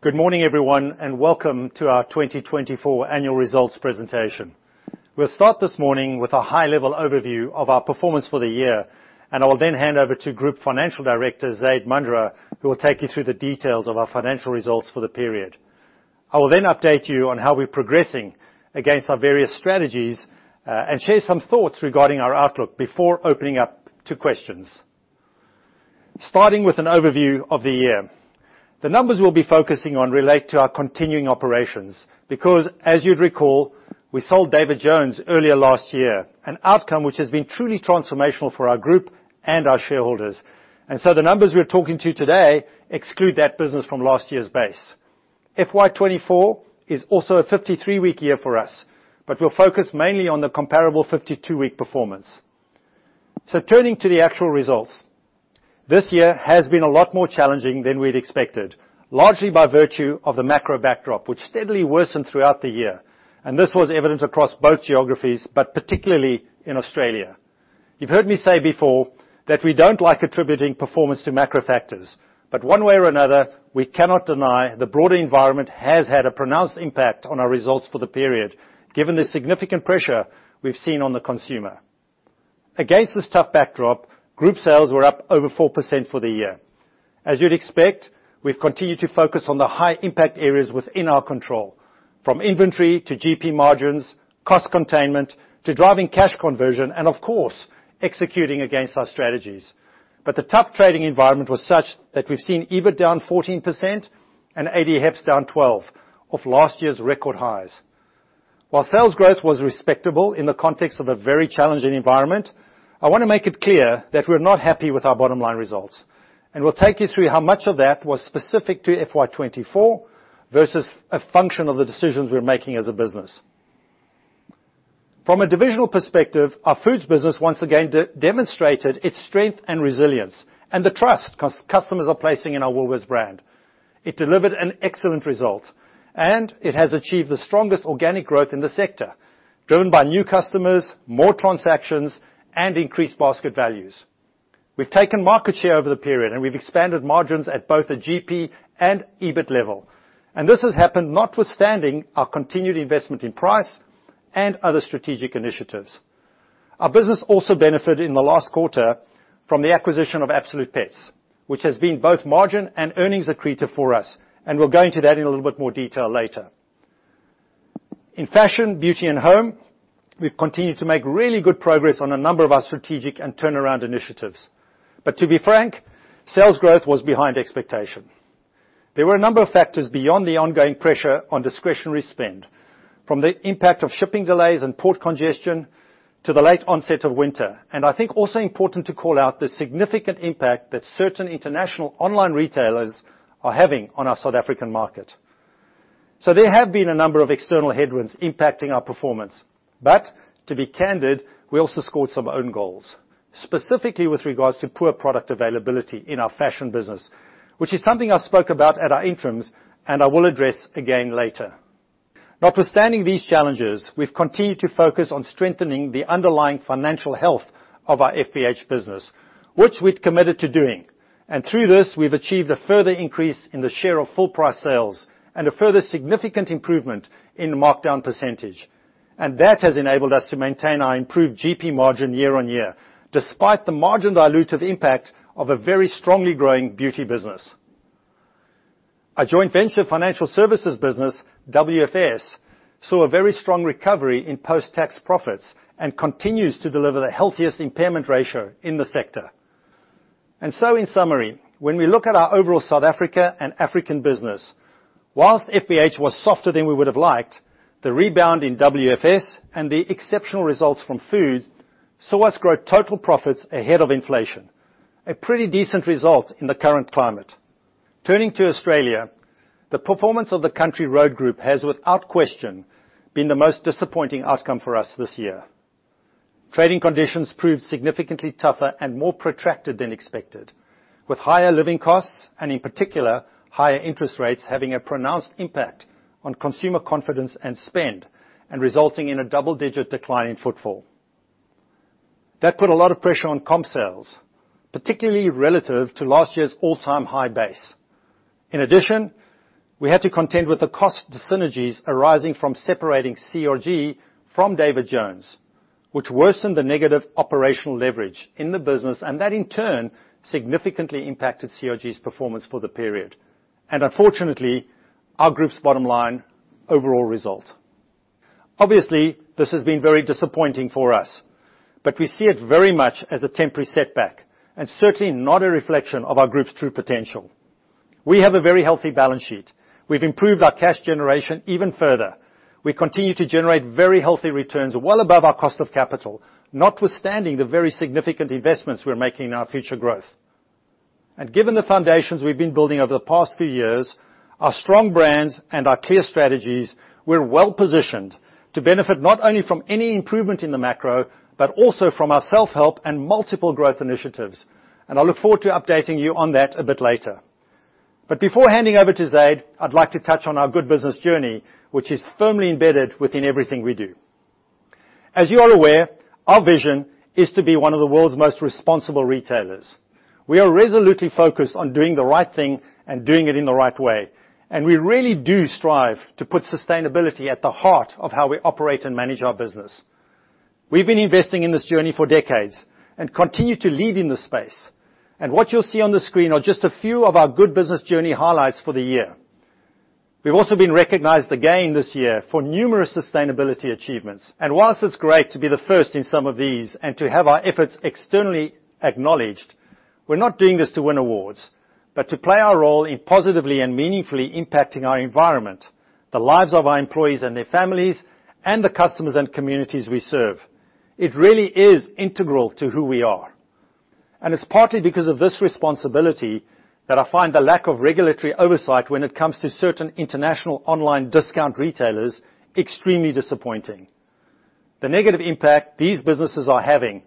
Good morning, everyone, and welcome to our 2024 Annual Results Presentation. We'll start this morning with a high-level overview of our performance for the year, and I will then hand over to Group Finance Director, Zaid Manjra, who will take you through the details of our financial results for the period. I will then update you on how we're progressing against our various strategies, and share some thoughts regarding our outlook before opening up to questions. Starting with an overview of the year. The numbers we'll be focusing on relate to our continuing operations, because, as you'd recall, we sold David Jones earlier last year, an outcome which has been truly transformational for our group and our shareholders, and so the numbers we're talking to you today exclude that business from last year's base. FY 2024 is also a 53-week year for us, but we'll focus mainly on the comparable 52-week performance. So turning to the actual results, this year has been a lot more challenging than we'd expected, largely by virtue of the macro backdrop, which steadily worsened throughout the year, and this was evident across both geographies, but particularly in Australia. You've heard me say before that we don't like attributing performance to macro factors, but one way or another, we cannot deny the broader environment has had a pronounced impact on our results for the period, given the significant pressure we've seen on the consumer. Against this tough backdrop, group sales were up over 4% for the year. As you'd expect, we've continued to focus on the high-impact areas within our control, from inventory to GP margins, cost containment, to driving cash conversion, and of course, executing against our strategies. But the tough trading environment was such that we've seen EBIT down 14% and ADHEPS down 12% off last year's record highs. While sales growth was respectable in the context of a very challenging environment, I want to make it clear that we're not happy with our bottom line results, and we'll take you through how much of that was specific to FY 2024 versus a function of the decisions we're making as a business. From a divisional perspective, our Foods business once again demonstrated its strength and resilience and the trust customers are placing in our Woolworths brand. It delivered an excellent result, and it has achieved the strongest organic growth in the sector, driven by new customers, more transactions, and increased basket values. We've taken market share over the period, and we've expanded margins at both the GP and EBIT level, and this has happened notwithstanding our continued investment in price and other strategic initiatives. Our business also benefited in the last quarter from the acquisition of Absolute Pets, which has been both margin and earnings accretive for us, and we'll go into that in a little bit more detail later. In Fashion, Beauty, and Home, we've continued to make really good progress on a number of our strategic and turnaround initiatives, but to be frank, sales growth was behind expectation. There were a number of factors beyond the ongoing pressure on discretionary spend, from the impact of shipping delays and port congestion to the late onset of winter, and I think also important to call out the significant impact that certain international online retailers are having on our South African market. There have been a number of external headwinds impacting our performance, but to be candid, we also scored some own goals, specifically with regards to poor product availability in our fashion business, which is something I spoke about at our Interims, and I will address again later. Notwithstanding these challenges, we've continued to focus on strengthening the underlying financial health of our FBH business, which we'd committed to doing, and through this, we've achieved a further increase in the share of full price sales and a further significant improvement in the markdown percentage. That has enabled us to maintain our improved GP margin year on year, despite the margin dilutive impact of a very strongly growing beauty business. Our joint venture financial services business, WFS, saw a very strong recovery in post-tax profits and continues to deliver the healthiest impairment ratio in the sector. And so, in summary, when we look at our overall South Africa and African business, while FBH was softer than we would have liked, the rebound in WFS and the exceptional results from Food saw us grow total profits ahead of inflation, a pretty decent result in the current climate. Turning to Australia, the performance of the Country Road Group has, without question, been the most disappointing outcome for us this year. Trading conditions proved significantly tougher and more protracted than expected, with higher living costs, and in particular, higher interest rates having a pronounced impact on consumer confidence and spend, and resulting in a double-digit decline in footfall. That put a lot of pressure on comp sales, particularly relative to last year's all-time high base. In addition, we had to contend with the cost synergies arising from separating CRG from David Jones, which worsened the negative operational leverage in the business, and that, in turn, significantly impacted CRG's performance for the period, and unfortunately, our group's bottom line, overall result. Obviously, this has been very disappointing for us, but we see it very much as a temporary setback and certainly not a reflection of our group's true potential. We have a very healthy balance sheet. We've improved our cash generation even further. We continue to generate very healthy returns, well above our cost of capital, notwithstanding the very significant investments we're making in our future growth. And given the foundations we've been building over the past few years, our strong brands and our clear strategies, we're well-positioned to benefit not only from any improvement in the macro, but also from our self-help and multiple growth initiatives. And I look forward to updating you on that a bit later. But before handing over to Zaid, I'd like to touch on our Good Business Journey, which is firmly embedded within everything we do. As you are aware, our vision is to be one of the world's most responsible retailers. We are resolutely focused on doing the right thing and doing it in the right way, and we really do strive to put sustainability at the heart of how we operate and manage our business. We've been investing in this journey for decades and continue to lead in this space, and what you'll see on the screen are just a few of our Good Business Journey highlights for the year. We've also been recognized again this year for numerous sustainability achievements, and while it's great to be the first in some of these and to have our efforts externally acknowledged, we're not doing this to win awards, but to play our role in positively and meaningfully impacting our environment, the lives of our employees and their families, and the customers and communities we serve. It really is integral to who we are, and it's partly because of this responsibility that I find the lack of regulatory oversight when it comes to certain international online discount retailers extremely disappointing. The negative impact these businesses are having,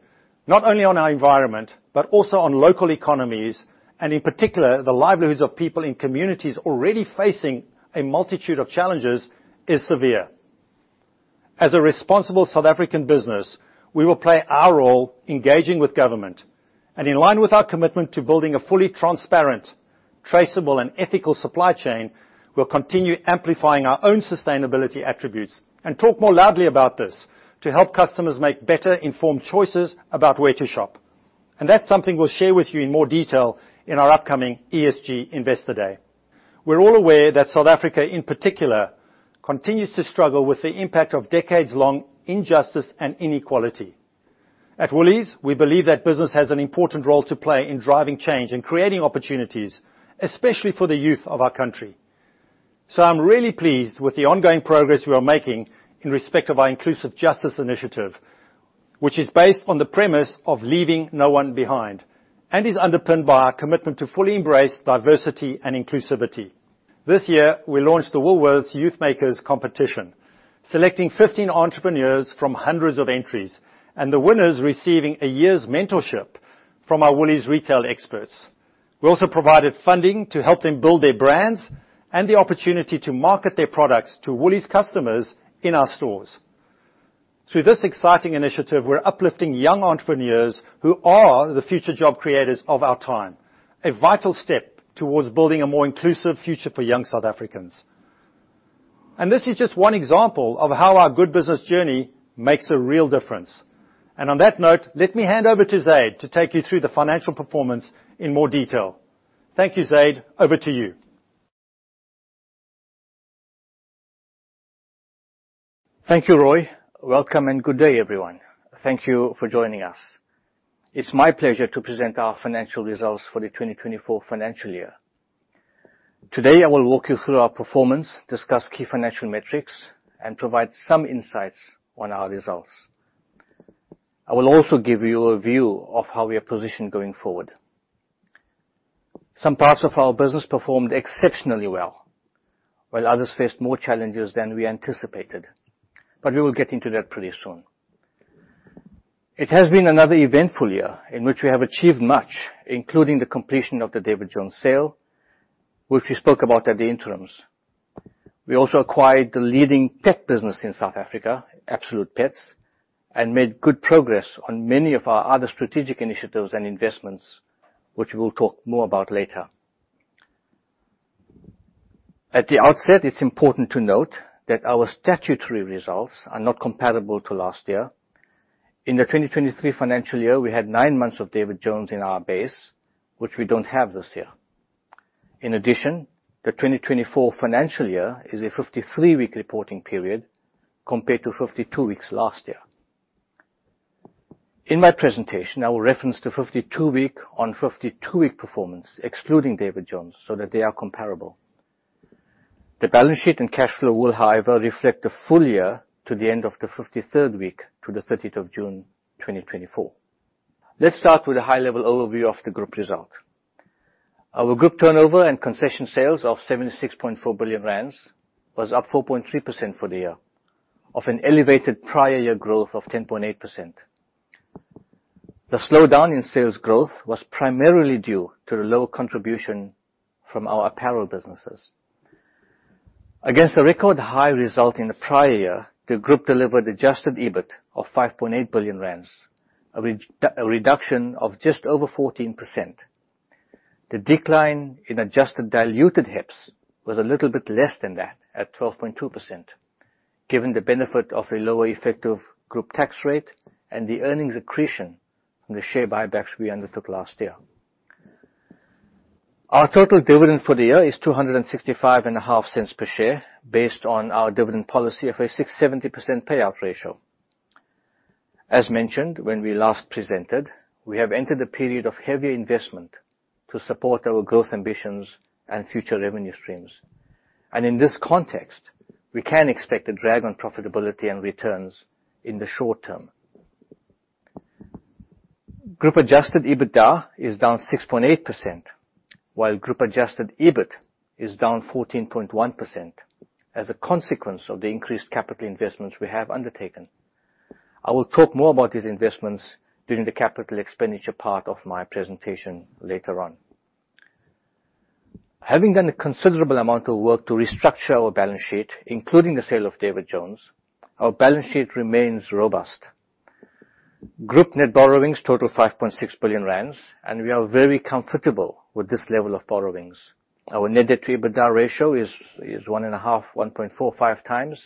not only on our environment, but also on local economies, and in particular, the livelihoods of people in communities already facing a multitude of challenges, is severe. As a responsible South African business, we will play our role engaging with government, and in line with our commitment to building a fully transparent, traceable, and ethical supply chain, we'll continue amplifying our own sustainability attributes and talk more loudly about this to help customers make better informed choices about where to shop, and that's something we'll share with you in more detail in our upcoming ESG Investor Day. We're all aware that South Africa, in particular, continues to struggle with the impact of decades-long injustice and inequality. At Woolies, we believe that business has an important role to play in driving change and creating opportunities, especially for the youth of our country. I'm really pleased with the ongoing progress we are making in respect of our Inclusive Justice Initiative, which is based on the premise of leaving no one behind and is underpinned by our commitment to fully embrace diversity and inclusivity. This year, we launched the Woolworths Youth Makers Competition, selecting 15 entrepreneurs from hundreds of entries, and the winners receiving a year's mentorship from our Woolies retail experts. We also provided funding to help them build their brands and the opportunity to market their products to Woolies customers in our stores. Through this exciting initiative, we're uplifting young entrepreneurs who are the future job creators of our time, a vital step towards building a more inclusive future for young South Africans. This is just one example of how our Good Business Journey makes a real difference. On that note, let me hand over to Zaid to take you through the financial performance in more detail. Thank you, Zaid. Over to you. Thank you, Roy. Welcome, and good day, everyone. Thank you for joining us. It's my pleasure to present our financial results for the 2024 financial year. Today, I will walk you through our performance, discuss key financial metrics, and provide some insights on our results. I will also give you a view of how we are positioned going forward. Some parts of our business performed exceptionally well, while others faced more challenges than we anticipated, but we will get into that pretty soon. It has been another eventful year in which we have achieved much, including the completion of the David Jones sale, which we spoke about at the interims. We also acquired the leading pet business in South Africa, Absolute Pets, and made good progress on many of our other strategic initiatives and investments, which we'll talk more about later. At the outset, it's important to note that our statutory results are not comparable to last year. In the 2023 financial year, we had nine months of David Jones in our base, which we don't have this year. In addition, the 2024 financial year is a 53-week reporting period, compared to 52 weeks last year. In my presentation, I will reference the 52-week on 52-week performance, excluding David Jones, so that they are comparable. The balance sheet and cash flow will, however, reflect the full year to the end of the 53rd week, to the 30th of June, 2024. Let's start with a high-level overview of the group result. Our group turnover and concession sales of 76.4 billion rand was up 4.3% for the year, off an elevated prior year growth of 10.8%. The slowdown in sales growth was primarily due to the lower contribution from our apparel businesses. Against the record high result in the prior year, the group delivered adjusted EBIT of 5.8 billion rand, a reduction of just over 14%. The decline in adjusted diluted HEPS was a little bit less than that, at 12.2%, given the benefit of a lower effective group tax rate and the earnings accretion from the share buybacks we undertook last year. Our total dividend for the year is 265.5 cents per share, based on our dividend policy of a 60%-70% payout ratio. As mentioned when we last presented, we have entered a period of heavier investment to support our growth ambitions and future revenue streams, and in this context, we can expect a drag on profitability and returns in the short term. Group adjusted EBITDA is down 6.8%, while group adjusted EBIT is down 14.1% as a consequence of the increased capital investments we have undertaken. I will talk more about these investments during the capital expenditure part of my presentation later on. Having done a considerable amount of work to restructure our balance sheet, including the sale of David Jones, our balance sheet remains robust. Group net borrowings total 5.6 billion rand, and we are very comfortable with this level of borrowings. Our net debt to EBITDA ratio is one and a half, 1.45x,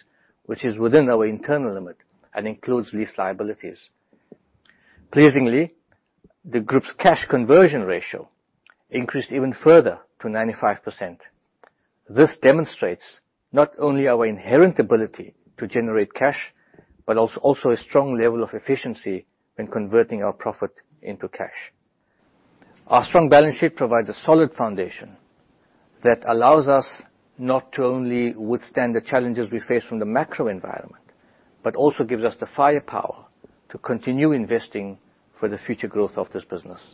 which is within our internal limit and includes lease liabilities. Pleasingly, the group's cash conversion ratio increased even further to 95%. This demonstrates not only our inherent ability to generate cash, but also a strong level of efficiency in converting our profit into cash. Our strong balance sheet provides a solid foundation that allows us not to only withstand the challenges we face from the macro environment, but also gives us the firepower to continue investing for the future growth of this business.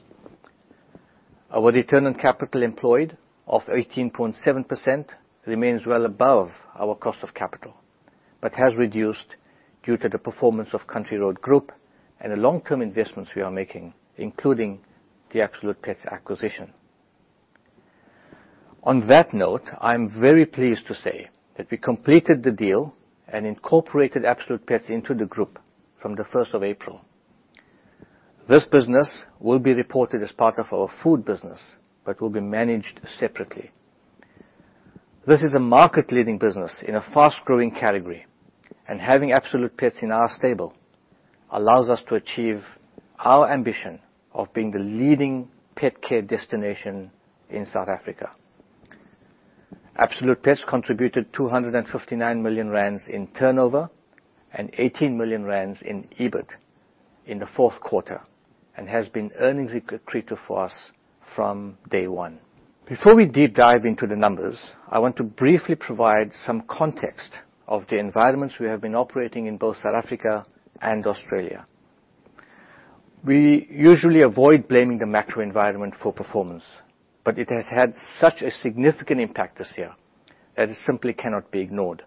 Our return on capital employed, of 18.7%, remains well above our cost of capital, but has reduced due to the performance of Country Road Group and the long-term investments we are making, including the Absolute Pets acquisition. On that note, I'm very pleased to say that we completed the deal and incorporated Absolute Pets into the group from the first of April. This business will be reported as part of our food business, but will be managed separately. This is a market-leading business in a fast-growing category, and having Absolute Pets in our stable allows us to achieve our ambition of being the leading pet care destination in South Africa. Absolute Pets contributed 259 million rand in turnover and 18 million rand in EBIT in the fourth quarter, and has been earnings accretive for us from day one. Before we deep dive into the numbers, I want to briefly provide some context of the environments we have been operating in both South Africa and Australia. We usually avoid blaming the macro environment for performance, but it has had such a significant impact this year that it simply cannot be ignored.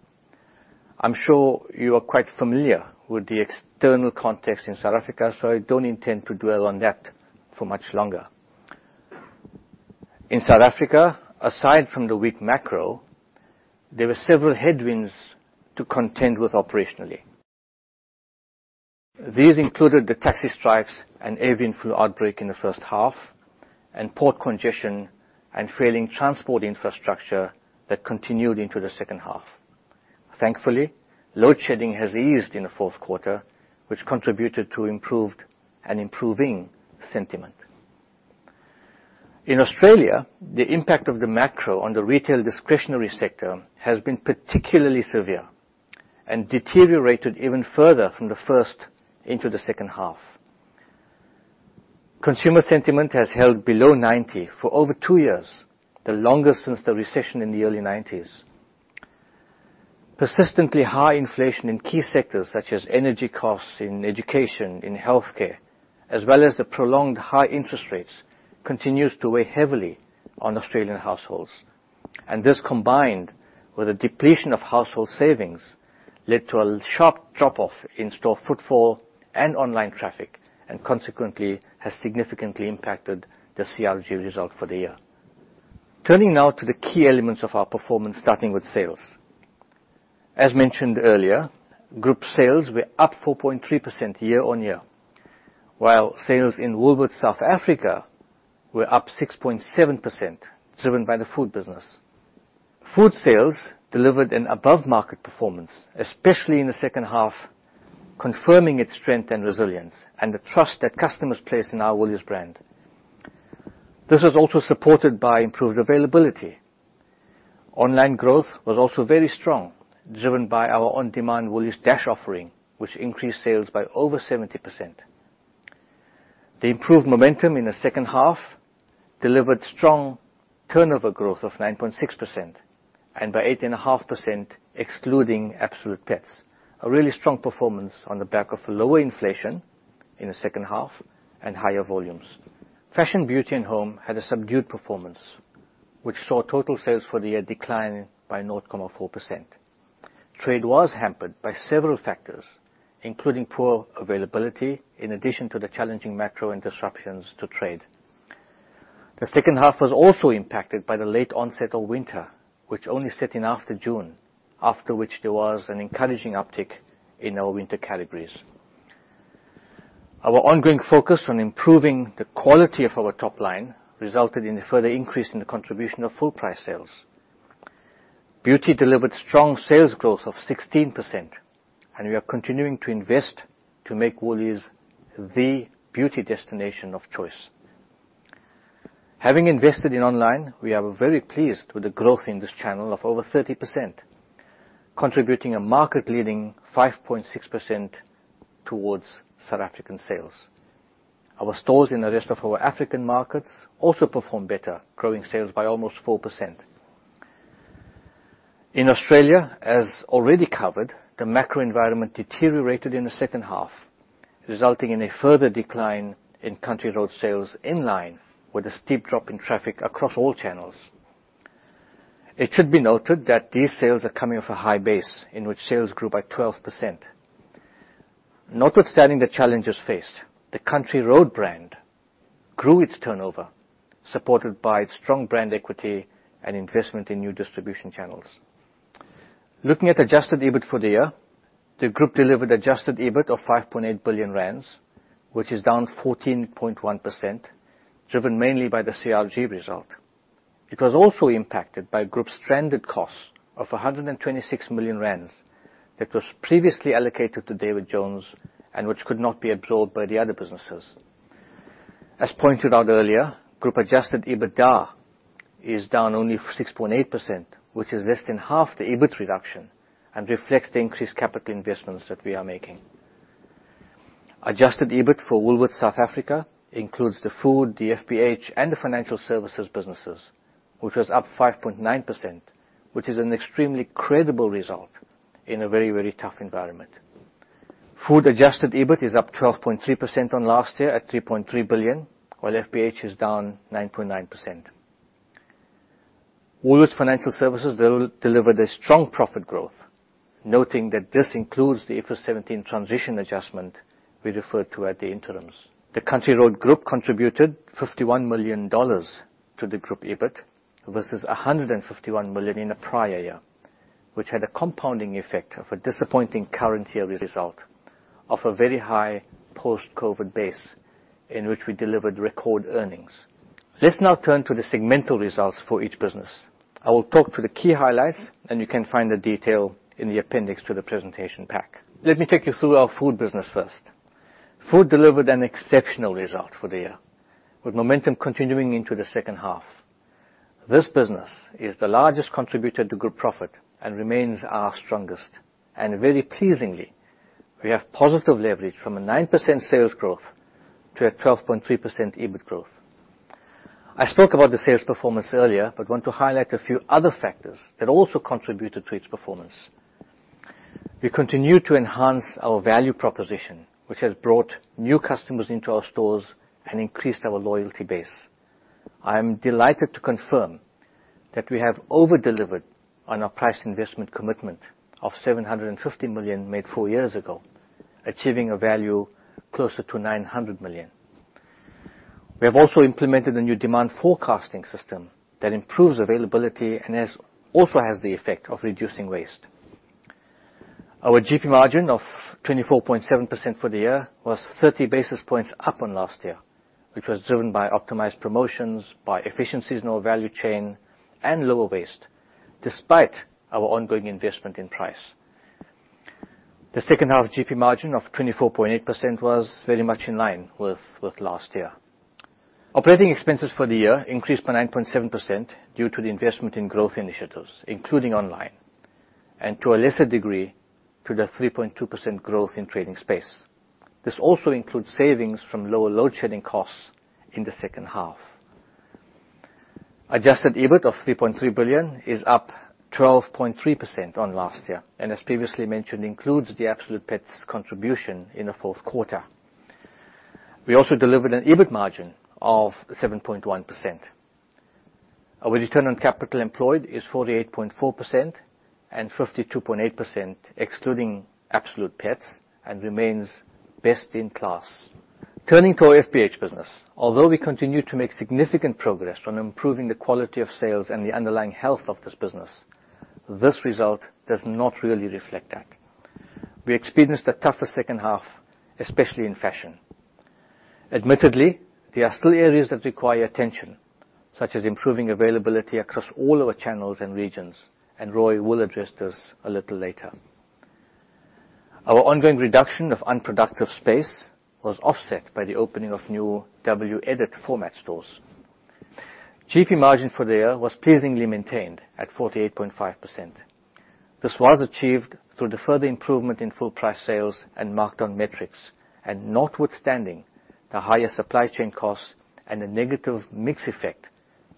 I'm sure you are quite familiar with the external context in South Africa, so I don't intend to dwell on that for much longer. In South Africa, aside from the weak macro, there were several headwinds to contend with operationally. These included the taxi strikes and avian flu outbreak in the first half, and port congestion and failing transport infrastructure that continued into the second half. Thankfully, load shedding has eased in the fourth quarter, which contributed to improved and improving sentiment. In Australia, the impact of the macro on the retail discretionary sector has been particularly severe and deteriorated even further from the first into the second half. Consumer sentiment has held below ninety for over two years, the longest since the recession in the early nineties. Persistently high inflation in key sectors such as energy costs in education, in healthcare, as well as the prolonged high interest rates, continues to weigh heavily on Australian households. And this, combined with a depletion of household savings, led to a sharp drop-off in store footfall and online traffic, and consequently has significantly impacted the CRG result for the year. Turning now to the key elements of our performance, starting with sales. As mentioned earlier, group sales were up 4.3% year-on-year, while sales in Woolworths South Africa were up 6.7%, driven by the food business. Food sales delivered an above-market performance, especially in the second half, confirming its strength and resilience and the trust that customers place in our Woolies brand. This was also supported by improved availability. Online growth was also very strong, driven by our on-demand Woolies Dash offering, which increased sales by over 70%. The improved momentum in the second half delivered strong turnover growth of 9.6%, and by 8.5%, excluding Absolute Pets. A really strong performance on the back of lower inflation in the second half and higher volumes. Fashion, Beauty, and Home had a subdued performance, which saw total sales for the year decline by 0.4%. Trade was hampered by several factors, including poor availability, in addition to the challenging macro and disruptions to trade. The second half was also impacted by the late onset of winter, which only set in after June, after which there was an encouraging uptick in our winter categories. Our ongoing focus on improving the quality of our top line resulted in a further increase in the contribution of full price sales. Beauty delivered strong sales growth of 16%, and we are continuing to invest to make Woolies the beauty destination of choice. Having invested in online, we are very pleased with the growth in this channel of over 30%, contributing a market-leading 5.6% towards South African sales. Our stores in the rest of our African markets also performed better, growing sales by almost 4%. In Australia, as already covered, the macro environment deteriorated in the second half, resulting in a further decline in Country Road sales, in line with a steep drop in traffic across all channels. It should be noted that these sales are coming off a high base in which sales grew by 12%. Notwithstanding the challenges faced, the Country Road brand grew its turnover, supported by its strong brand equity and investment in new distribution channels. Looking at adjusted EBIT for the year, the group delivered adjusted EBIT of 5.8 billion rand, which is down 14.1%, driven mainly by the CRG result. It was also impacted by group's stranded costs of 126 million rand, that was previously allocated to David Jones, and which could not be absorbed by the other businesses. As pointed out earlier, group adjusted EBITDA is down only 6.8%, which is less than half the EBIT reduction, and reflects the increased capital investments that we are making. Adjusted EBIT for Woolworths South Africa includes the food, the FBH, and the financial services businesses, which was up 5.9%, which is an extremely credible result in a very, very tough environment. Food adjusted EBIT is up 12.3% on last year at 3.3 billion, while FBH is down 9.9%. Woolworths Financial Services delivered a strong profit growth, noting that this includes the IFRS 17 transition adjustment we referred to at the interims. The Country Road Group contributed 51 million dollars to the group EBIT, versus 151 million in the prior year, which had a compounding effect of a disappointing current year result of a very high post-COVID base, in which we delivered record earnings. Let's now turn to the segmental results for each business. I will talk to the key highlights, and you can find the detail in the appendix to the presentation pack. Let me take you through our food business first. Food delivered an exceptional result for the year, with momentum continuing into the second half. This business is the largest contributor to group profit and remains our strongest, and very pleasingly, we have positive leverage from a 9% sales growth to a 12.3% EBIT growth. I spoke about the sales performance earlier, but want to highlight a few other factors that also contributed to its performance. We continue to enhance our value proposition, which has brought new customers into our stores and increased our loyalty base. I am delighted to confirm that we have over-delivered on our price investment commitment of 750 million, made four years ago, achieving a value closer to 900 million. We have also implemented a new demand forecasting system that improves availability and also has the effect of reducing waste. Our GP margin of 24.7% for the year was 30 basis points up on last year, which was driven by optimized promotions, by efficient seasonal value chain, and lower waste, despite our ongoing investment in price. The second half GP margin of 24.8% was very much in line with last year. Operating expenses for the year increased by 9.7% due to the investment in growth initiatives, including online, and to a lesser degree, to the 3.2% growth in trading space. This also includes savings from lower load shedding costs in the second half. Adjusted EBIT of 3.3 billion is up 12.3% on last year, and as previously mentioned, includes the Absolute Pets contribution in the fourth quarter. We also delivered an EBIT margin of 7.1%. Our return on capital employed is 48.4% and 52.8%, excluding Absolute Pets, and remains best in class. Turning to our FBH business. Although we continue to make significant progress on improving the quality of sales and the underlying health of this business, this result does not really reflect that. We experienced a tougher second half, especially in fashion. Admittedly, there are still areas that require attention, such as improving availability across all our channels and regions, and Roy will address this a little later. Our ongoing reduction of unproductive space was offset by the opening of new WEdit format stores. GP margin for the year was pleasingly maintained at 48.5%. This was achieved through the further improvement in full price sales and markdown metrics, and notwithstanding the higher supply chain costs and a negative mix effect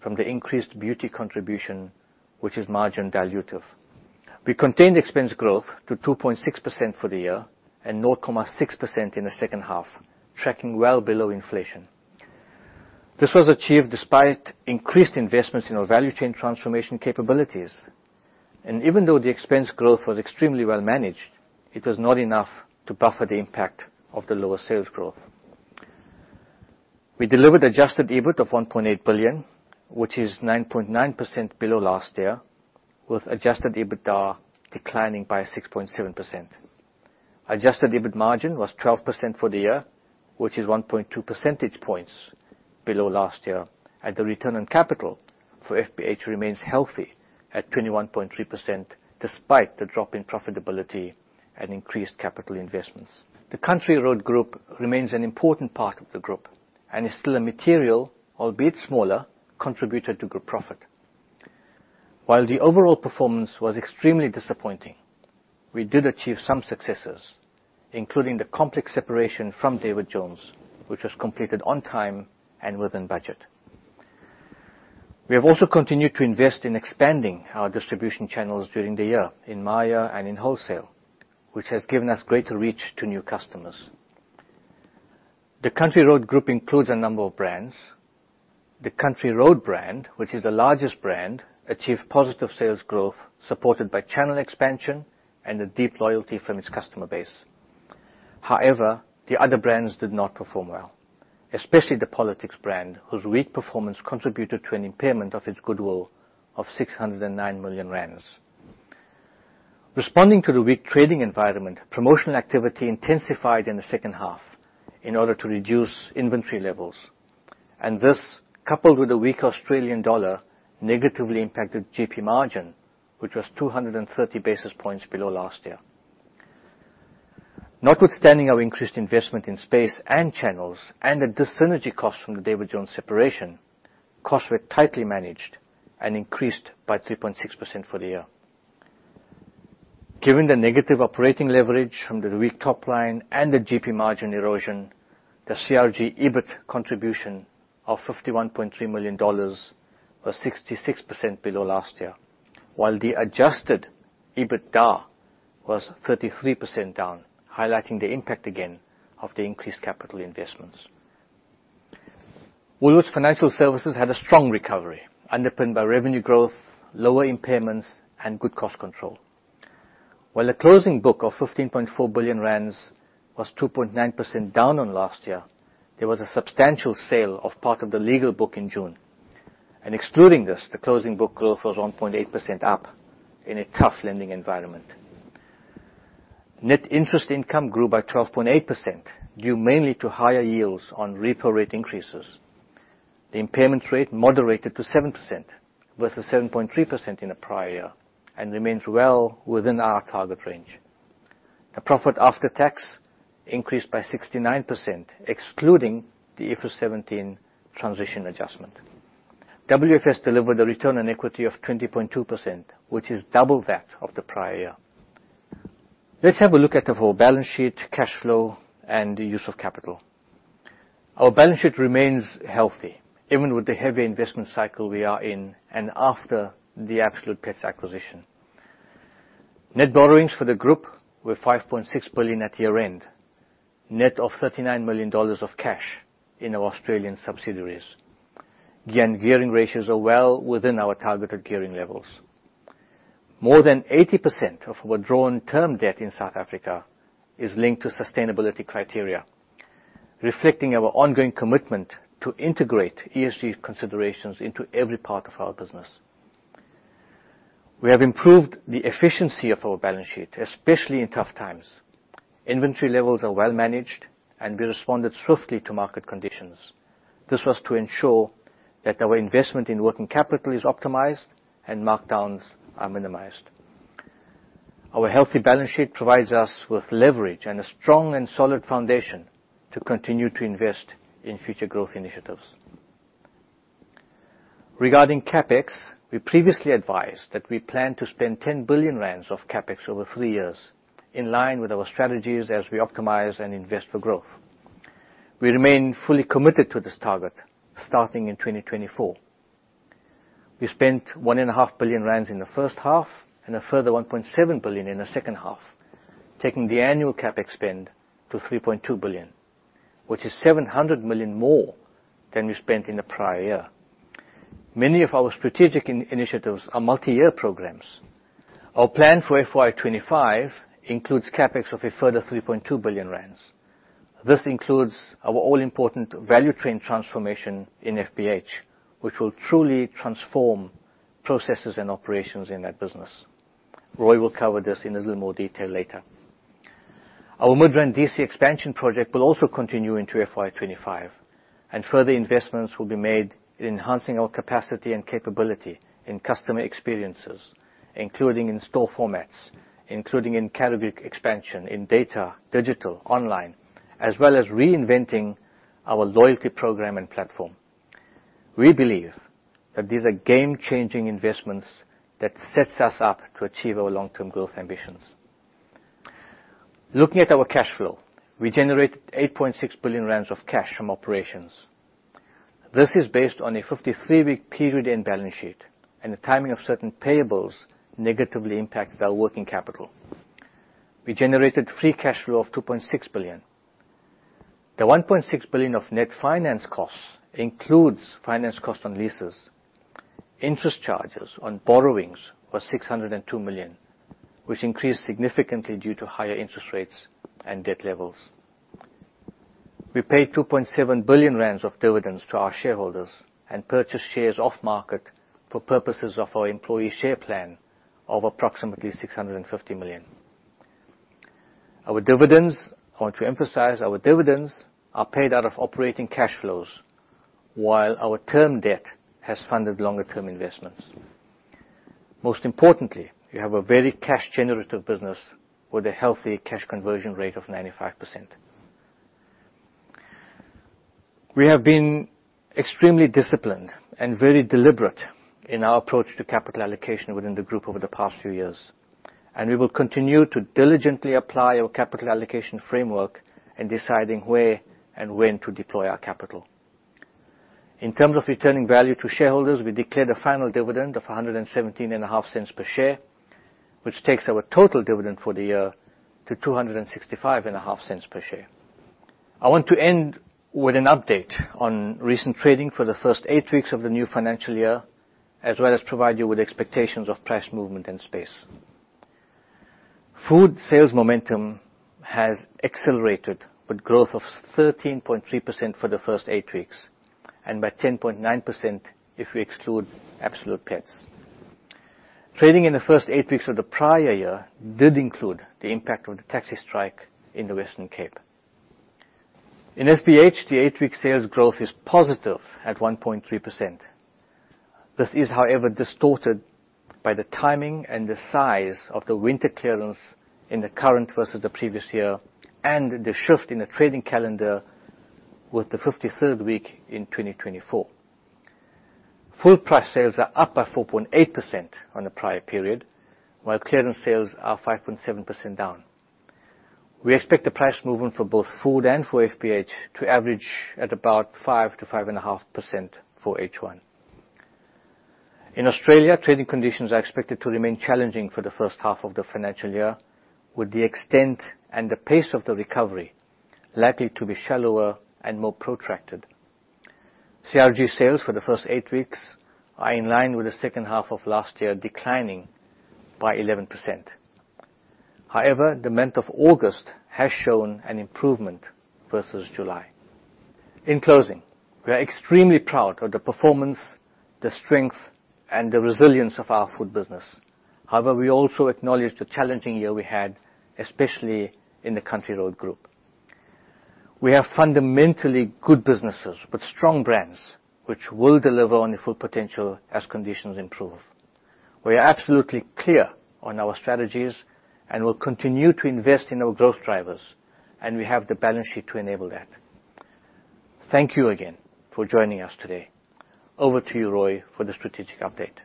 from the increased beauty contribution, which is margin dilutive. We contained expense growth to 2.6% for the year and 0.6% in the second half, tracking well below inflation. This was achieved despite increased investments in our value chain transformation capabilities, and even though the expense growth was extremely well managed, it was not enough to buffer the impact of the lower sales growth. We delivered adjusted EBIT of 1.8 billion, which is 9.9% below last year, with adjusted EBITDA declining by 6.7%. Adjusted EBIT margin was 12% for the year, which is 1.2 percentage points below last year, and the return on capital for FBH remains healthy at 21.3%, despite the drop in profitability and increased capital investments. The Country Road Group remains an important part of the group and is still a material, albeit smaller, contributor to group profit. While the overall performance was extremely disappointing, we did achieve some successes, including the complex separation from David Jones, which was completed on time and within budget. We have also continued to invest in expanding our distribution channels during the year, in Myer and in wholesale, which has given us greater reach to new customers. The Country Road Group includes a number of brands. The Country Road brand, which is the largest brand, achieved positive sales growth, supported by channel expansion and a deep loyalty from its customer base. However, the other brands did not perform well, especially the Politix brand, whose weak performance contributed to an impairment of its goodwill of 609 million rand. Responding to the weak trading environment, promotional activity intensified in the second half in order to reduce inventory levels, and this, coupled with the weak Australian dollar, negatively impacted GP margin, which was 230 basis points below last year. Notwithstanding our increased investment in space and channels and the dis-synergy costs from the David Jones separation, costs were tightly managed and increased by 3.6% for the year. Given the negative operating leverage from the weak top line and the GP margin erosion, the CRG EBIT contribution of 51.3 million dollars was 66% below last year, while the adjusted EBITDA was 33% down, highlighting the impact again of the increased capital investments. Woolworths Financial Services had a strong recovery, underpinned by revenue growth, lower impairments, and good cost control. While the closing book of 15.4 billion rand was 2.9% down on last year, there was a substantial sale of part of the loan book in June, and excluding this, the closing book growth was 1.8% up in a tough lending environment. Net interest income grew by 12.8%, due mainly to higher yields on repo rate increases. The impairment rate moderated to 7%, versus 7.3% in the prior year, and remains well within our target range. The profit after tax increased by 69%, excluding the IFRS 17 transition adjustment. WFS delivered a return on equity of 20.2%, which is double that of the prior year. Let's have a look at our whole balance sheet, cash flow, and the use of capital. Our balance sheet remains healthy, even with the heavy investment cycle we are in and after the Absolute Pets acquisition. Net borrowings for the group were 5.6 billion at year-end, net of 39 million dollars of cash in our Australian subsidiaries. Net gearing ratios are well within our targeted gearing levels. More than 80% of withdrawn term debt in South Africa is linked to sustainability criteria, reflecting our ongoing commitment to integrate ESG considerations into every part of our business. We have improved the efficiency of our balance sheet, especially in tough times. Inventory levels are well managed, and we responded swiftly to market conditions. This was to ensure that our investment in working capital is optimized and markdowns are minimized. Our healthy balance sheet provides us with leverage and a strong and solid foundation to continue to invest in future growth initiatives. Regarding CapEx, we previously advised that we plan to spend 10 billion rand of CapEx over three years, in line with our strategies as we optimize and invest for growth. We remain fully committed to this target, starting in 2024. We spent 1.5 billion rand in the first half and a further 1.7 billion in the second half, taking the annual CapEx spend to 3.2 billion, which is 700 million more than we spent in the prior year. Many of our strategic initiatives are multiyear programs. Our plan for FY 2025 includes CapEx of a further 3.2 billion rand. This includes our all-important value chain transformation in FBH, which will truly transform processes and operations in that business. Roy will cover this in a little more detail later. Our Midrand DC expansion project will also continue into FY 2025, and further investments will be made in enhancing our capacity and capability in customer experiences, including in store formats, including in category expansion, in data, digital, online, as well as reinventing our loyalty program and platform. We believe that these are game-changing investments that sets us up to achieve our long-term growth ambitions. Looking at our cash flow, we generated 8.6 billion rand of cash from operations. This is based on a 53-week period in balance sheet, and the timing of certain payables negatively impacted our working capital. We generated free cash flow of 2.6 billion. The 1.6 billion of net finance costs includes finance cost on leases. Interest charges on borrowings were 602 million, which increased significantly due to higher interest rates and debt levels. We paid 2.7 billion rand of dividends to our shareholders and purchased shares off market for purposes of our employee share plan of approximately 650 million. Our dividends, I want to emphasize, our dividends are paid out of operating cash flows, while our term debt has funded longer-term investments. Most importantly, we have a very cash-generative business with a healthy cash conversion rate of 95%. We have been extremely disciplined and very deliberate in our approach to capital allocation within the group over the past few years, and we will continue to diligently apply our capital allocation framework in deciding where and when to deploy our capital. In terms of returning value to shareholders, we declared a final dividend of 1.175 per share, which takes our total dividend for the year to 2.655 per share. I want to end with an update on recent trading for the first eight weeks of the new financial year, as well as provide you with expectations of price movement and space. Food sales momentum has accelerated, with growth of 13.3% for the first eight weeks, and by 10.9% if we exclude Absolute Pets. Trading in the first eight weeks of the prior year did include the impact of the taxi strike in the Western Cape. In FBH, the eight-week sales growth is positive at 1.3%. This is, however, distorted by the timing and the size of the winter clearance in the current versus the previous year, and the shift in the trading calendar with the fifty-third week in 2024. Full price sales are up by 4.8% on the prior period, while clearance sales are 5.7% down. We expect the price movement for both food and for FBH to average at about 5%-5.5% for H1. In Australia, trading conditions are expected to remain challenging for the first half of the financial year, with the extent and the pace of the recovery likely to be shallower and more protracted. CRG sales for the first eight weeks are in line with the second half of last year, declining by 11%. However, the month of August has shown an improvement versus July. In closing, we are extremely proud of the performance, the strength, and the resilience of our food business. However, we also acknowledge the challenging year we had, especially in the Country Road Group. We have fundamentally good businesses with strong brands, which will deliver on their full potential as conditions improve. We are absolutely clear on our strategies and will continue to invest in our growth drivers, and we have the balance sheet to enable that. Thank you again for joining us today. Over to you, Roy, for the strategic update.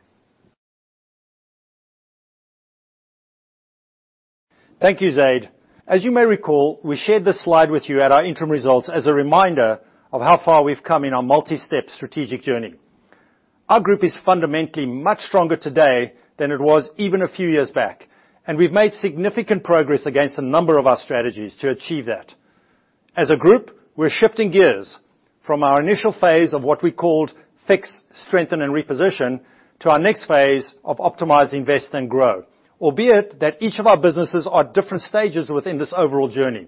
Thank you, Zaid. As you may recall, we shared this slide with you at our interim results as a reminder of how far we've come in our multi-step strategic journey. Our group is fundamentally much stronger today than it was even a few years back, and we've made significant progress against a number of our strategies to achieve that. As a group, we're shifting gears from our initial phase of what we called Fix, Strengthen, and Reposition, to our next phase of Optimize, Invest, and Grow, albeit that each of our businesses are at different stages within this overall journey.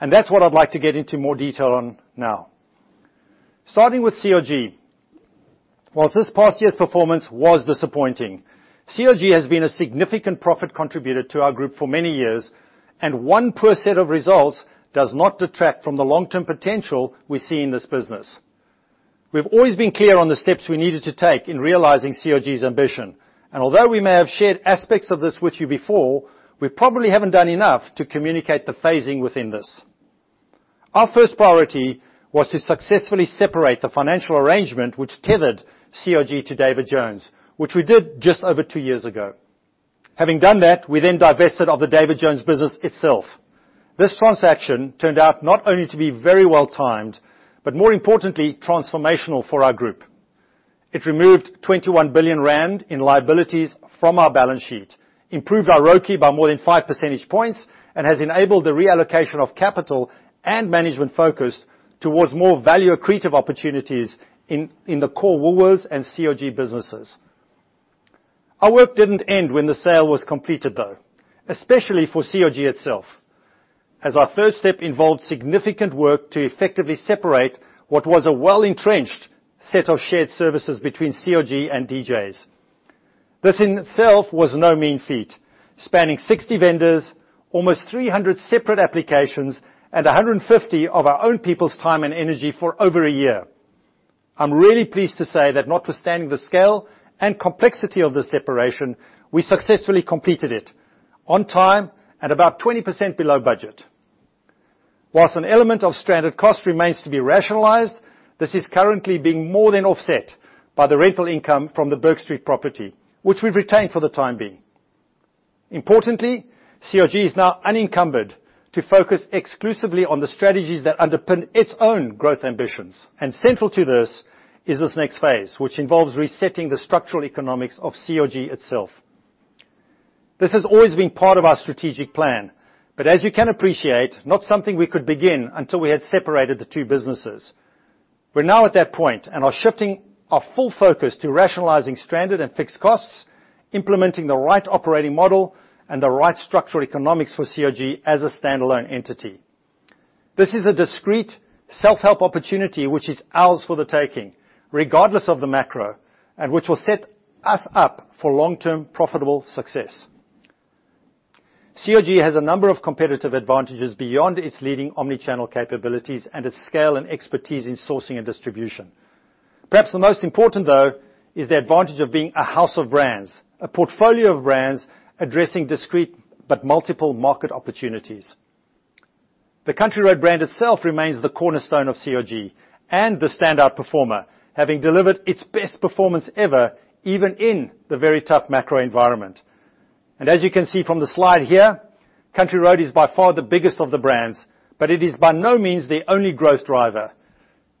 And that's what I'd like to get into more detail on now. Starting with CRG, while this past year's performance was disappointing, CRG has been a significant profit contributor to our group for many years, and one poor set of results does not detract from the long-term potential we see in this business. We've always been clear on the steps we needed to take in realizing CRG's ambition, and although we may have shared aspects of this with you before, we probably haven't done enough to communicate the phasing within this. Our first priority was to successfully separate the financial arrangement which tethered CRG to David Jones, which we did just over two years ago. Having done that, we then divested of the David Jones business itself. This transaction turned out not only to be very well-timed, but more importantly, transformational for our group. It removed 21 billion rand in liabilities from our balance sheet, improved our ROCE by more than five percentage points, and has enabled the reallocation of capital and management focus towards more value-accretive opportunities in the core Woolworths and CRG businesses. Our work didn't end when the sale was completed, though, especially for CRG itself, as our first step involved significant work to effectively separate what was a well-entrenched set of shared services between CRG and DJs. This in itself was no mean feat, spanning 60 vendors, almost 300 separate applications, and 150 of our own people's time and energy for over a year. I'm really pleased to say that notwithstanding the scale and complexity of the separation, we successfully completed it on time and about 20% below budget. While an element of stranded cost remains to be rationalized, this is currently being more than offset by the rental income from the Bourke Street property, which we've retained for the time being. Importantly, CRG is now unencumbered to focus exclusively on the strategies that underpin its own growth ambitions, and central to this is this next phase, which involves resetting the structural economics of CRG itself. This has always been part of our strategic plan, but as you can appreciate, not something we could begin until we had separated the two businesses. We're now at that point and are shifting our full focus to rationalizing stranded and fixed costs, implementing the right operating model, and the right structural economics for CRG as a standalone entity. This is a discrete self-help opportunity, which is ours for the taking, regardless of the macro, and which will set us up for long-term profitable success. CRG has a number of competitive advantages beyond its leading omni-channel capabilities and its scale and expertise in sourcing and distribution. Perhaps the most important, though, is the advantage of being a house of brands, a portfolio of brands addressing discrete but multiple market opportunities. The Country Road brand itself remains the cornerstone of CRG and the standout performer, having delivered its best performance ever, even in the very tough macro environment... And as you can see from the slide here, Country Road is by far the biggest of the brands, but it is by no means the only growth driver.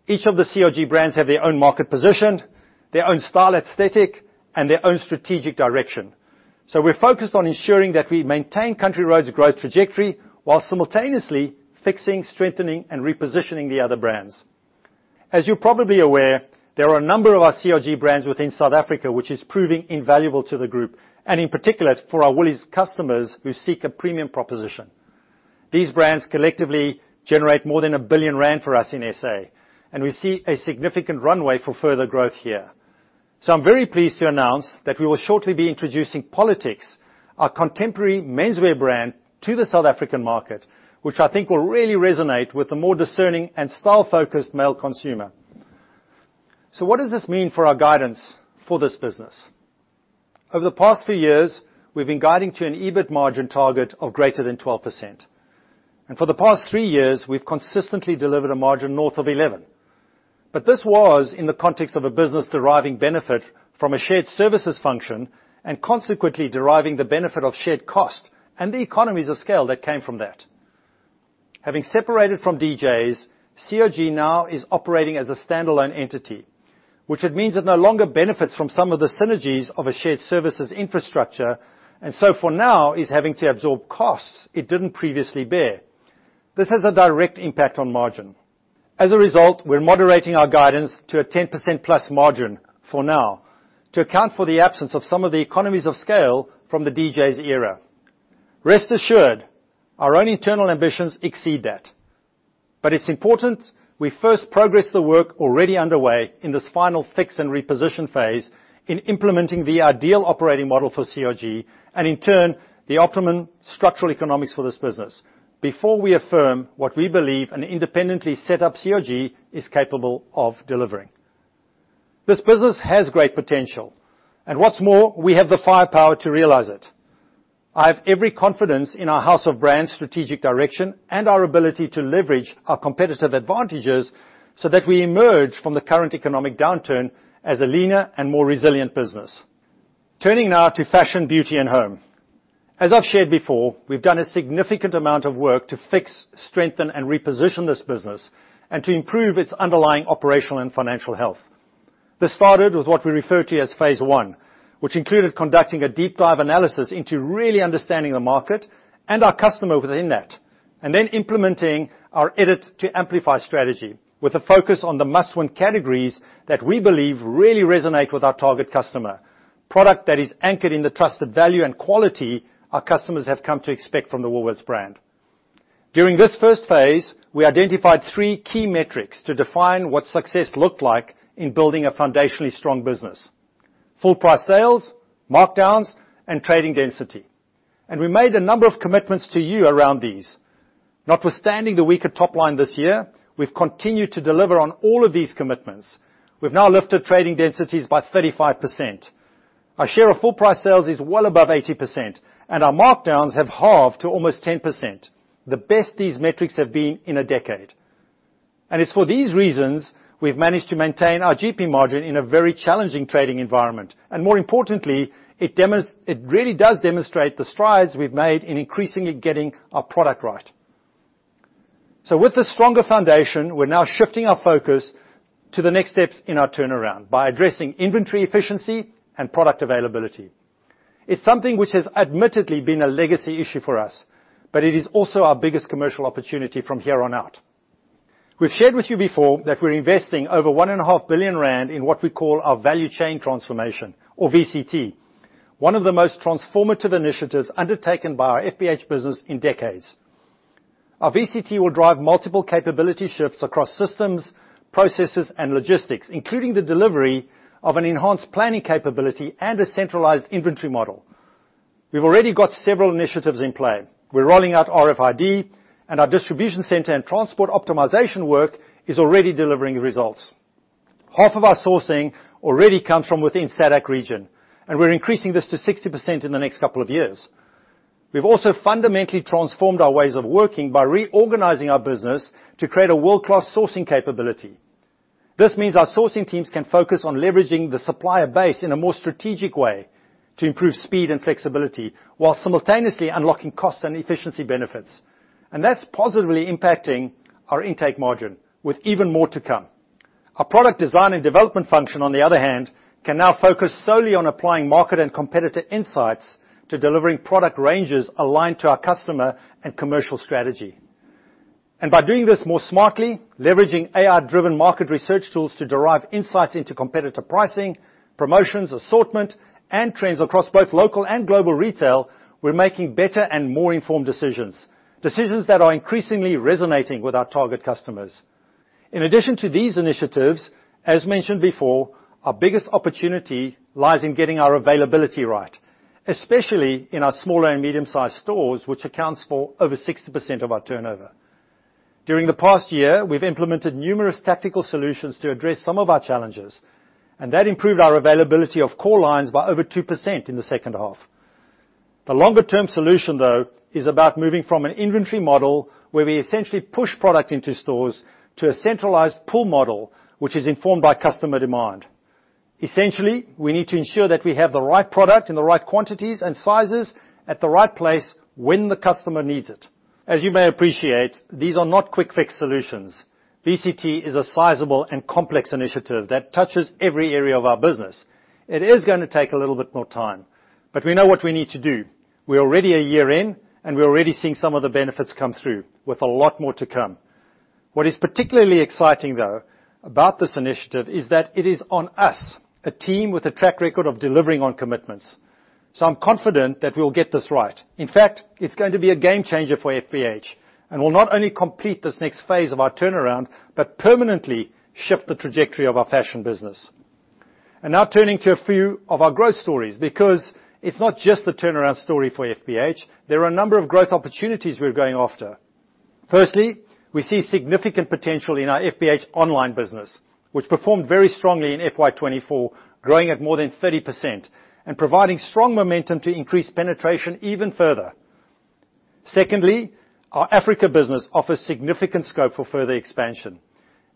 Each of the CRG brands have their own market position, their own style aesthetic, and their own strategic direction. We're focused on ensuring that we maintain Country Road's growth trajectory, while simultaneously fixing, strengthening, and repositioning the other brands. As you're probably aware, there are a number of our CRG brands within South Africa, which is proving invaluable to the group, and in particular, for our Woolies customers who seek a premium proposition. These brands collectively generate more than 1 billion rand for us in S.A., and we see a significant runway for further growth here. I'm very pleased to announce that we will shortly be introducing Politix, our contemporary menswear brand, to the South African market, which I think will really resonate with the more discerning and style-focused male consumer. What does this mean for our guidance for this business? Over the past few years, we've been guiding to an EBIT margin target of greater than 12%. For the past three years, we've consistently delivered a margin north of 11%. But this was in the context of a business deriving benefit from a shared services function, and consequently deriving the benefit of shared cost and the economies of scale that came from that. Having separated from DJs, CRG now is operating as a standalone entity, which it means it no longer benefits from some of the synergies of a shared services infrastructure, and so for now is having to absorb costs it didn't previously bear. This has a direct impact on margin. As a result, we're moderating our guidance to a 10% plus margin for now, to account for the absence of some of the economies of scale from the DJs era. Rest assured, our own internal ambitions exceed that. But it's important we first progress the work already underway in this final fix and reposition phase in implementing the ideal operating model for CRG, and in turn, the optimum structural economics for this business, before we affirm what we believe an independently set up CRG is capable of delivering. This business has great potential, and what's more, we have the firepower to realize it. I have every confidence in our house of brands' strategic direction and our ability to leverage our competitive advantages so that we emerge from the current economic downturn as a leaner and more resilient business. Turning now to fashion, beauty, and home. As I've shared before, we've done a significant amount of work to fix, strengthen, and reposition this business, and to improve its underlying operational and financial health. This started with what we refer to as phase one, which included conducting a deep dive analysis into really understanding the market and our customer within that, and then implementing our edit to amplify strategy, with a focus on the must-win categories that we believe really resonate with our target customer. Product that is anchored in the trusted value and quality our customers have come to expect from the Woolworths brand. During this first phase, we identified three key metrics to define what success looked like in building a foundationally strong business: full price sales, markdowns, and trading density. And we made a number of commitments to you around these. Notwithstanding the weaker top line this year, we've continued to deliver on all of these commitments. We've now lifted trading densities by 35%. Our share of full price sales is well above 80%, and our markdowns have halved to almost 10%, the best these metrics have been in a decade. It's for these reasons we've managed to maintain our GP margin in a very challenging trading environment, and more importantly, it really does demonstrate the strides we've made in increasingly getting our product right. With this stronger foundation, we're now shifting our focus to the next steps in our turnaround by addressing inventory efficiency and product availability. It's something which has admittedly been a legacy issue for us, but it is also our biggest commercial opportunity from here on out. We've shared with you before that we're investing over 1.5 billion rand in what we call our value chain transformation, or VCT, one of the most transformative initiatives undertaken by our FBH business in decades. Our VCT will drive multiple capability shifts across systems, processes, and logistics, including the delivery of an enhanced planning capability and a centralized inventory model. We've already got several initiatives in play. We're rolling out RFID, and our distribution center and transport optimization work is already delivering results. Half of our sourcing already comes from within SADC region, and we're increasing this to 60% in the next couple of years. We've also fundamentally transformed our ways of working by reorganizing our business to create a world-class sourcing capability. This means our sourcing teams can focus on leveraging the supplier base in a more strategic way to improve speed and flexibility, while simultaneously unlocking cost and efficiency benefits. And that's positively impacting our intake margin, with even more to come. Our product design and development function, on the other hand, can now focus solely on applying market and competitor insights to delivering product ranges aligned to our customer and commercial strategy. And by doing this more smartly, leveraging AI-driven market research tools to derive insights into competitor pricing, promotions, assortment, and trends across both local and global retail, we're making better and more informed decisions, decisions that are increasingly resonating with our target customers. In addition to these initiatives, as mentioned before, our biggest opportunity lies in getting our availability right, especially in our smaller and medium-sized stores, which accounts for over 60% of our turnover. During the past year, we've implemented numerous tactical solutions to address some of our challenges, and that improved our availability of core lines by over 2% in the second half. The longer term solution, though, is about moving from an inventory model where we essentially push product into stores, to a centralized pull model, which is informed by customer demand. Essentially, we need to ensure that we have the right product in the right quantities and sizes at the right place when the customer needs it. As you may appreciate, these are not quick-fix solutions. VCT is a sizable and complex initiative that touches every area of our business. It is gonna take a little bit more time, but we know what we need to do. We're already a year in, and we're already seeing some of the benefits come through, with a lot more to come. What is particularly exciting, though, about this initiative, is that it is on us, a team with a track record of delivering on commitments. So I'm confident that we'll get this right. In fact, it's going to be a game changer for FBH, and we'll not only complete this next phase of our turnaround, but permanently shift the trajectory of our fashion business. And now turning to a few of our growth stories, because it's not just the turnaround story for FBH, there are a number of growth opportunities we're going after. Firstly, we see significant potential in our FBH online business, which performed very strongly in FY 2024, growing at more than 30% and providing strong momentum to increase penetration even further. Secondly, our Africa business offers significant scope for further expansion.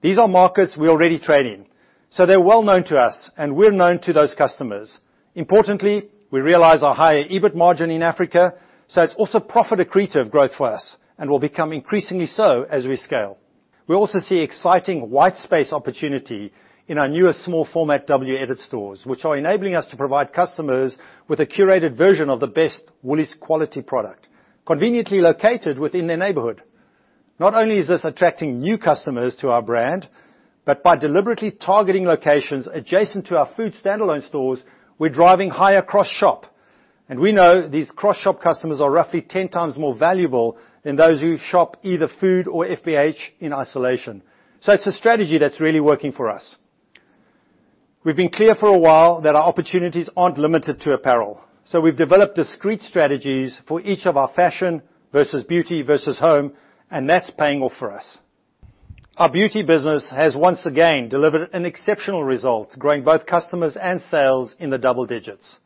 These are markets we already trade in, so they're well known to us, and we're known to those customers. Importantly, we realize our higher EBIT margin in Africa, so it's also profit accretive growth for us and will become increasingly so as we scale. We also see exciting white space opportunity in our newer small format WEdit stores, which are enabling us to provide customers with a curated version of the best Woolies quality product, conveniently located within their neighborhood. Not only is this attracting new customers to our brand, but by deliberately targeting locations adjacent to our food standalone stores, we're driving higher cross-shop. And we know these cross-shop customers are roughly ten times more valuable than those who shop either food or FBH in isolation. So it's a strategy that's really working for us. We've been clear for a while that our opportunities aren't limited to apparel, so we've developed discrete strategies for each of our fashion versus beauty versus home, and that's paying off for us. Our beauty business has once again delivered an exceptional result, growing both customers and sales in the double digits.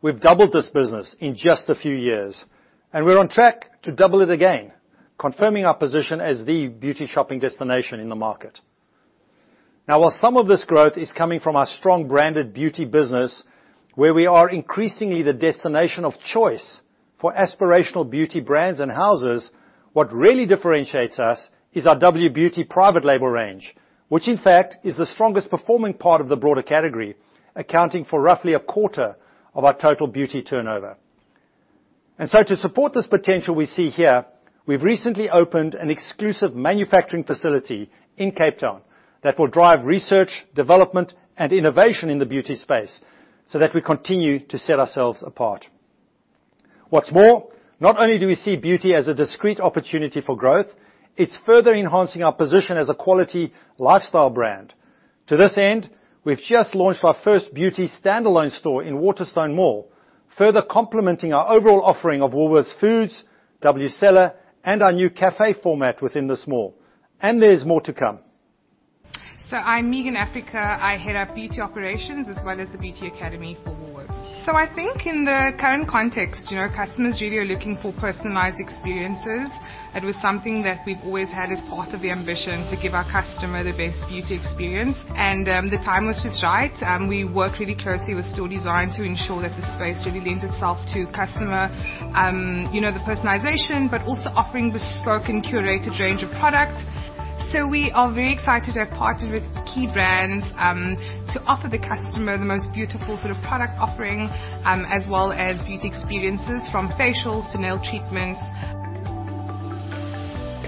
We've doubled this business in just a few years, and we're on track to double it again, confirming our position as the beauty shopping destination in the market. Now, while some of this growth is coming from our strong branded beauty business, where we are increasingly the destination of choice for aspirational beauty brands and houses, what really differentiates us is our WBeauty private label range, which in fact is the strongest performing part of the broader category, accounting for roughly a quarter of our total beauty turnover. And so to support this potential we see here, we've recently opened an exclusive manufacturing facility in Cape Town that will drive research, development, and innovation in the beauty space so that we continue to set ourselves apart. What's more, not only do we see beauty as a discrete opportunity for growth, it's further enhancing our position as a quality lifestyle brand. To this end, we've just launched our first beauty standalone store in Waterstone Mall, further complementing our overall offering of Woolworths Foods, WCellar, and our new cafe format within this mall, and there's more to come. I'm Meagan Africa. I head up Beauty Operations, as well as the Beauty Academy for Woolworths. I think in the current context, you know, customers really are looking for personalized experiences. It was something that we've always had as part of the ambition to give our customer the best beauty experience. The time was just right. We worked really closely with store design to ensure that the space really lent itself to customer, you know, the personalization, but also offering bespoke and curated range of products. We are very excited to have partnered with key brands to offer the customer the most beautiful sort of product offering, as well as beauty experiences from facials to nail treatments.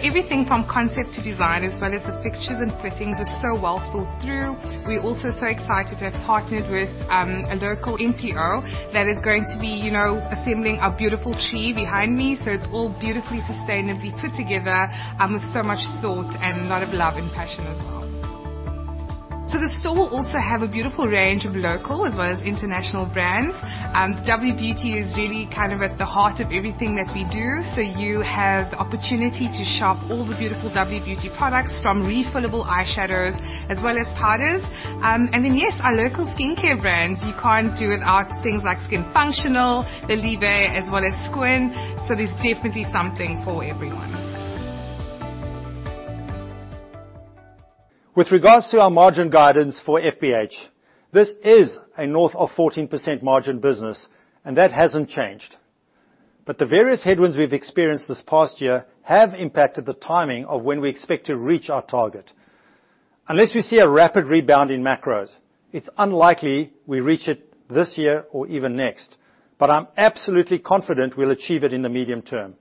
Everything from concept to design, as well as the fixtures and fittings, is so well thought through. We're also so excited to have partnered with, a local NPO that is going to be, you know, assembling our beautiful tree behind me. So it's all beautifully, sustainably put together, with so much thought and a lot of love and passion as well. So the store will also have a beautiful range of local as well as international brands. WBeauty is really kind of at the heart of everything that we do, so you have the opportunity to shop all the beautiful WBeauty products, from refillable eyeshadows as well as powders. And then, yes, our local skincare brands, you can't do without things like Skin Functional, Lelive, as well as SKOON. So there's definitely something for everyone. With regards to our margin guidance for FBH, this is a north of 14% margin business, and that hasn't changed. But the various headwinds we've experienced this past year have impacted the timing of when we expect to reach our target. Unless we see a rapid rebound in macros, it's unlikely we reach it this year or even next, but I'm absolutely confident we'll achieve it in the medium term.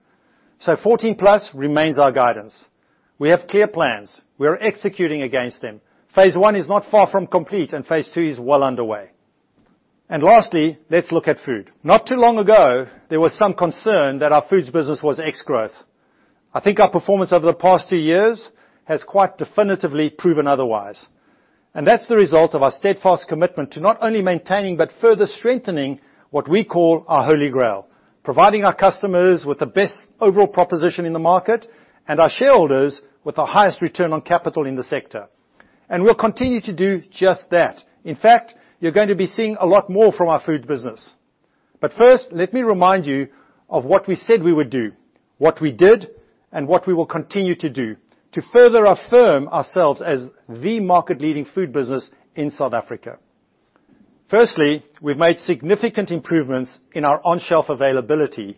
So 14% plus remains our guidance. We have clear plans. We are executing against them. Phase one is not far from complete, and phase two is well underway. And lastly, let's look at food. Not too long ago, there was some concern that our foods business was ex-growth. I think our performance over the past two years has quite definitively proven otherwise, and that's the result of our steadfast commitment to not only maintaining, but further strengthening what we call our Holy Grail, providing our customers with the best overall proposition in the market and our shareholders with the highest return on capital in the sector. And we'll continue to do just that. In fact, you're going to be seeing a lot more from our food business. But first, let me remind you of what we said we would do, what we did, and what we will continue to do to further affirm ourselves as the market-leading food business in South Africa. Firstly, we've made significant improvements in our on-shelf availability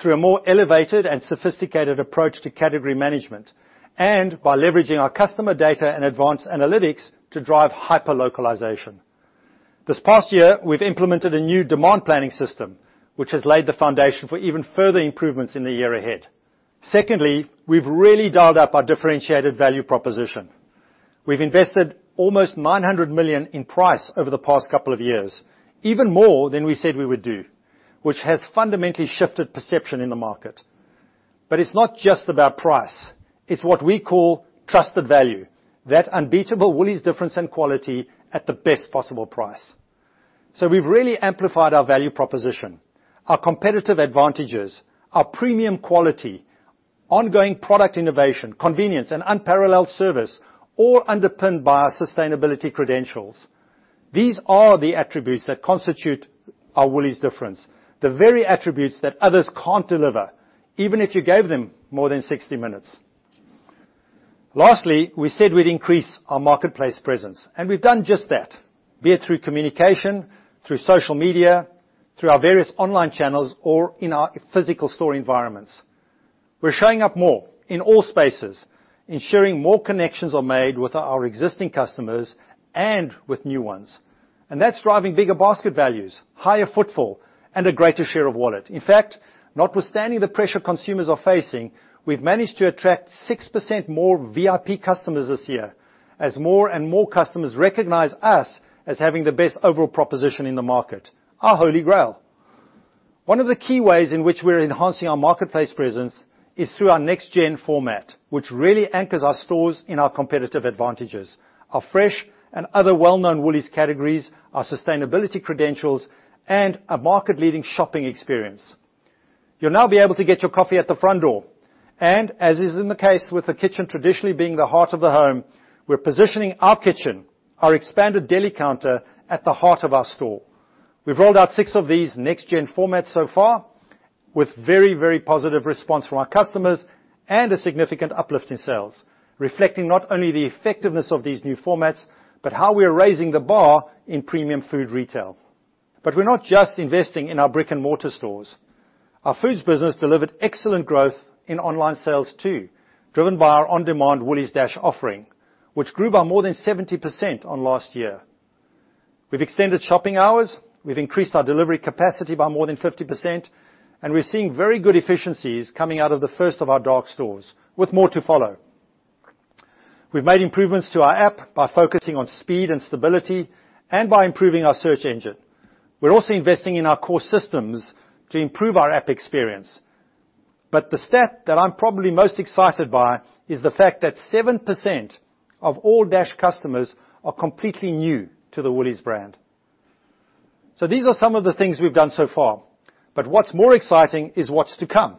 through a more elevated and sophisticated approach to category management, and by leveraging our customer data and advanced analytics to drive hyper-localization. This past year, we've implemented a new demand planning system, which has laid the foundation for even further improvements in the year ahead. Secondly, we've really dialed up our differentiated value proposition. We've invested almost 900 million in price over the past couple of years, even more than we said we would do, which has fundamentally shifted perception in the market. But it's not just about price, it's what we call trusted value. That unbeatable Woolies difference in quality at the best possible price. So we've really amplified our value proposition, our competitive advantages, our premium quality, ongoing product innovation, convenience, and unparalleled service, all underpinned by our sustainability credentials. These are the attributes that constitute our Woolies difference, the very attributes that others can't deliver, even if you gave them more than sixty minutes. Lastly, we said we'd increase our marketplace presence, and we've done just that, be it through communication, through social media, through our various online channels, or in our physical store environments. We're showing up more in all spaces, ensuring more connections are made with our existing customers and with new ones, and that's driving bigger basket values, higher footfall, and a greater share of wallet. In fact, notwithstanding the pressure consumers are facing, we've managed to attract 6% more VIP customers this year, as more and more customers recognize us as having the best overall proposition in the market, our Holy Grail. One of the key ways in which we're enhancing our marketplace presence is through our next-gen format, which really anchors our stores in our competitive advantages. Our fresh and other well-known Woolies categories, our sustainability credentials, and a market-leading shopping experience. You'll now be able to get your coffee at the front door, and as is in the case with the kitchen traditionally being the heart of the home, we're positioning our kitchen, our expanded daily counter, at the heart of our store. We've rolled out six of these next-gen formats so far, with very, very positive response from our customers and a significant uplift in sales, reflecting not only the effectiveness of these new formats, but how we are raising the bar in premium food retail. But we're not just investing in our brick-and-mortar stores. Our foods business delivered excellent growth in online sales, too, driven by our on-demand Woolies Dash offering, which grew by more than 70% on last year. We've extended shopping hours, we've increased our delivery capacity by more than 50%, and we're seeing very good efficiencies coming out of the first of our dark stores, with more to follow. We've made improvements to our app by focusing on speed and stability, and by improving our search engine. We're also investing in our core systems to improve our app experience. But the stat that I'm probably most excited by is the fact that 7% of all Dash customers are completely new to the Woolies brand. So these are some of the things we've done so far, but what's more exciting is what's to come.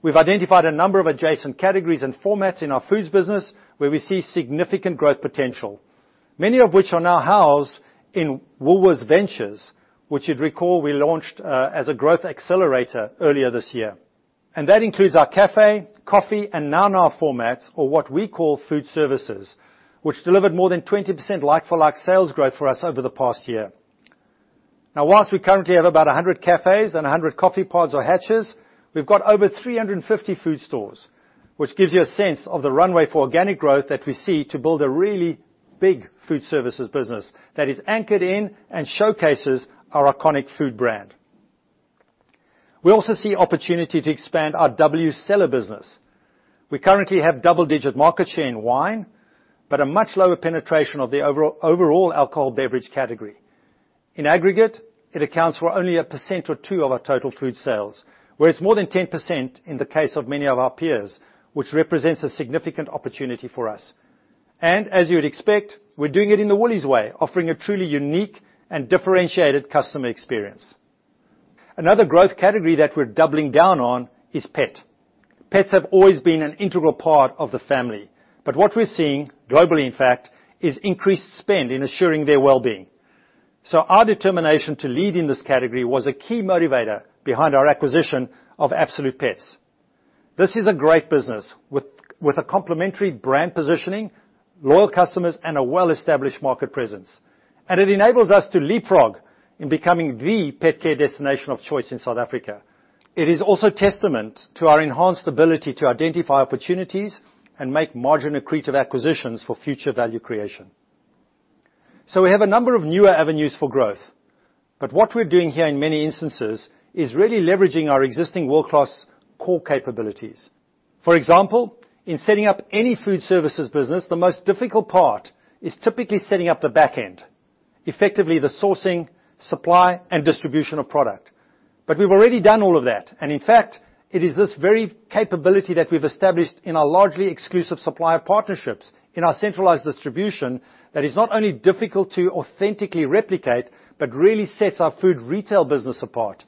We've identified a number of adjacent categories and formats in our foods business, where we see significant growth potential, many of which are now housed in Woolworths Ventures, which you'd recall we launched as a growth accelerator earlier this year. That includes our cafés, coffee, and new formats, or what we call food services, which delivered more than 20% like-for-like sales growth for us over the past year. Now, while we currently have about 100 cafés and 100 coffee pods or hatches, we have over 350 food stores, which gives you a sense of the runway for organic growth that we see to build a really big food services business that is anchored in and showcases our iconic food brand. We also see opportunity to expand our WCellar business. We currently have double-digit market share in wine, but a much lower penetration of the overall alcohol beverage category. In aggregate, it accounts for only 1% or 2% of our total food sales, whereas more than 10% in the case of many of our peers, which represents a significant opportunity for us, and as you would expect, we're doing it in the Woolies way, offering a truly unique and differentiated customer experience. Another growth category that we're doubling down on is pet. Pets have always been an integral part of the family, but what we're seeing globally, in fact, is increased spend in assuring their well-being, so our determination to lead in this category was a key motivator behind our acquisition of Absolute Pets. This is a great business with a complementary brand positioning, loyal customers, and a well-established market presence, and it enables us to leapfrog in becoming the pet care destination of choice in South Africa. It is also testament to our enhanced ability to identify opportunities and make margin-accretive acquisitions for future value creation, so we have a number of newer avenues for growth, but what we're doing here in many instances is really leveraging our existing world-class core capabilities. For example, in setting up any food services business, the most difficult part is typically setting up the back end, effectively the sourcing, supply, and distribution of product, but we've already done all of that, and in fact, it is this very capability that we've established in our largely exclusive supplier partnerships, in our centralized distribution, that is not only difficult to authentically replicate, but really sets our food retail business apart,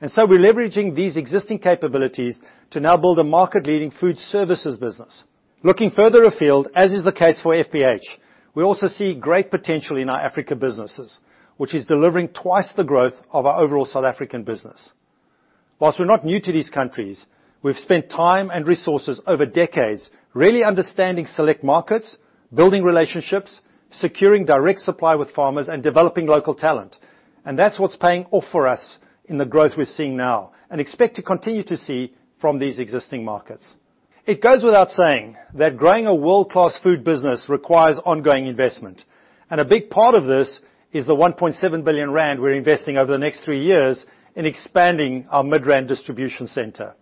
and so we're leveraging these existing capabilities to now build a market-leading food services business. Looking further afield, as is the case for FBH. We also see great potential in our Africa businesses, which is delivering twice the growth of our overall South African business. While we're not new to these countries, we've spent time and resources over decades, really understanding select markets, building relationships, securing direct supply with farmers, and developing local talent, and that's what's paying off for us in the growth we're seeing now, and expect to continue to see from these existing markets. It goes without saying that growing a world-class food business requires ongoing investment, and a big part of this is the 1.7 billion rand we're investing over the next three years in expanding our Midrand distribution center.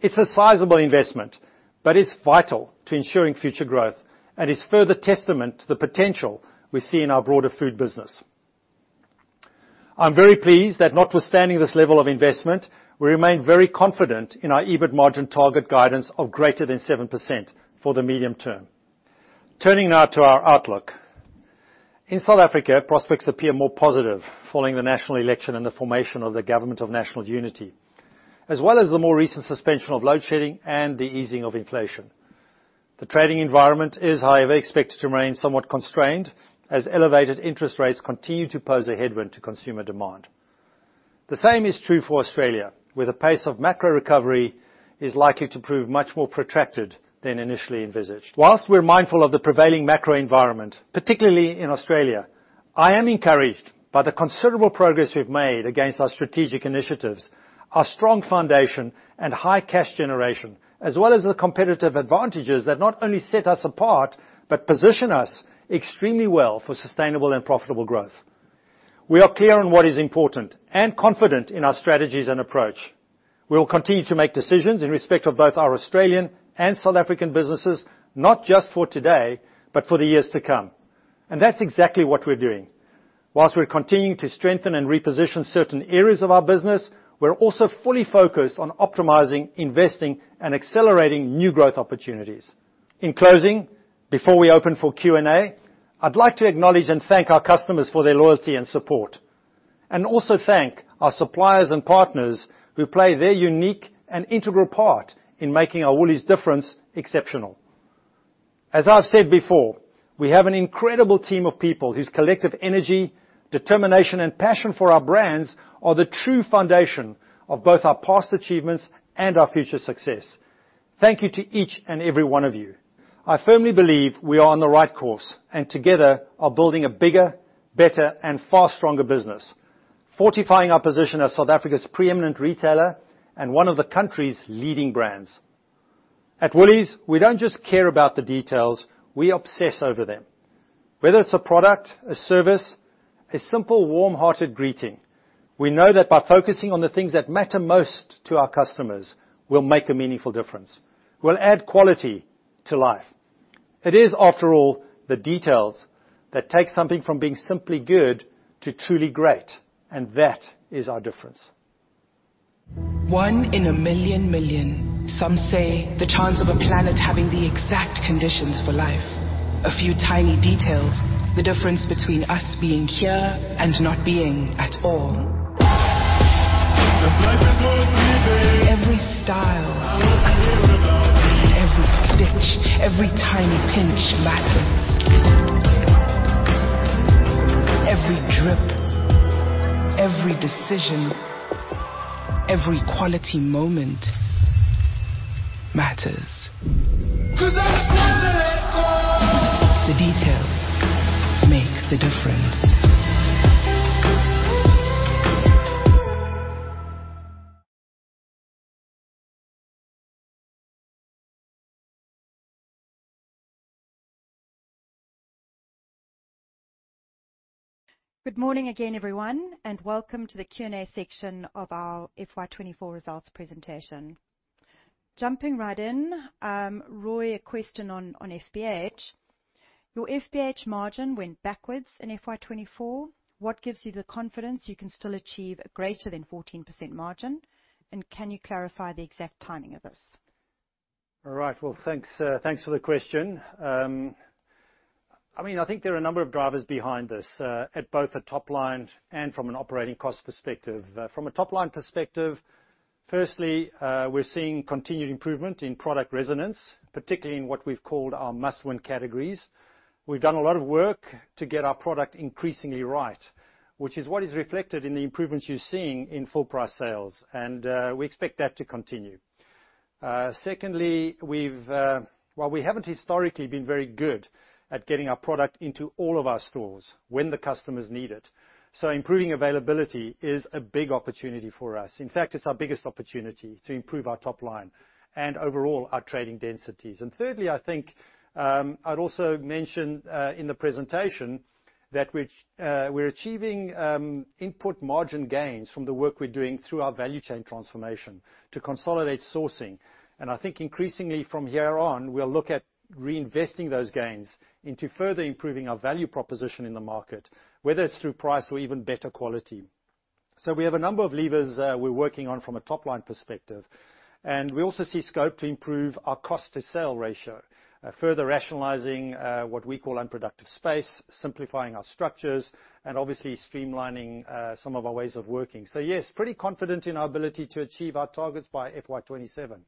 It's a sizable investment, but it's vital to ensuring future growth, and is further testament to the potential we see in our broader food business. I'm very pleased that notwithstanding this level of investment, we remain very confident in our EBIT margin target guidance of greater than 7% for the medium term. Turning now to our outlook. In South Africa, prospects appear more positive following the national election and the formation of the Government of National Unity, as well as the more recent suspension of load shedding and the easing of inflation. The trading environment is, however, expected to remain somewhat constrained as elevated interest rates continue to pose a headwind to consumer demand. The same is true for Australia, where the pace of macro recovery is likely to prove much more protracted than initially envisaged. While we're mindful of the prevailing macro environment, particularly in Australia, I am encouraged by the considerable progress we've made against our strategic initiatives, our strong foundation, and high cash generation, as well as the competitive advantages that not only set us apart, but position us extremely well for sustainable and profitable growth. We are clear on what is important and confident in our strategies and approach. We will continue to make decisions in respect of both our Australian and South African businesses, not just for today, but for the years to come, and that's exactly what we're doing. While we're continuing to strengthen and reposition certain areas of our business, we're also fully focused on optimizing, investing, and accelerating new growth opportunities. In closing, before we open for Q&A, I'd like to acknowledge and thank our customers for their loyalty and support, and also thank our suppliers and partners who play their unique and integral part in making our Woolies difference exceptional. As I've said before, we have an incredible team of people whose collective energy, determination, and passion for our brands are the true foundation of both our past achievements and our future success. Thank you to each and every one of you. I firmly believe we are on the right course, and together are building a bigger, better, and far stronger business, fortifying our position as South Africa's preeminent retailer and one of the country's leading brands. At Woolies, we don't just care about the details, we obsess over them. Whether it's a product, a service, a simple, warm-hearted greeting, we know that by focusing on the things that matter most to our customers, we'll make a meaningful difference. We'll add quality to life. It is, after all, the details that take something from being simply good to truly great, and that is our difference. One in a million million, some say the chance of a planet having the exact conditions for life. A few tiny details, the difference between us being here and not being at all. Every style, every stitch, every tiny pinch matters. Every drip, every decision, every quality moment matters. The details make the difference. Good morning again, everyone, and welcome to the Q&A section of our FY 2024 results presentation. Jumping right in, Roy, a question on FBH. Your FBH margin went backwards in FY 2024. What gives you the confidence you can still achieve a greater than 14% margin, and can you clarify the exact timing of this? All right. Well, thanks, thanks for the question. I mean, I think there are a number of drivers behind this, at both the top line and from an operating cost perspective. From a top-line perspective, firstly, we're seeing continued improvement in product resonance, particularly in what we've called our must-win categories. We've done a lot of work to get our product increasingly right, which is what is reflected in the improvements you're seeing in full price sales, and we expect that to continue. Secondly, while we haven't historically been very good at getting our product into all of our stores when the customers need it, so improving availability is a big opportunity for us. In fact, it's our biggest opportunity to improve our top line and overall our trading densities. And thirdly, I think, I'd also mentioned in the presentation, that which, we're achieving input margin gains from the work we're doing through our value chain transformation to consolidate sourcing. I think increasingly from here on, we'll look at reinvesting those gains into further improving our value proposition in the market, whether it's through price or even better quality. We have a number of levers we're working on from a top-line perspective, and we also see scope to improve our cost to sale ratio, further rationalizing what we call unproductive space, simplifying our structures, and obviously streamlining some of our ways of working. Yes, pretty confident in our ability to achieve our targets by FY 2027.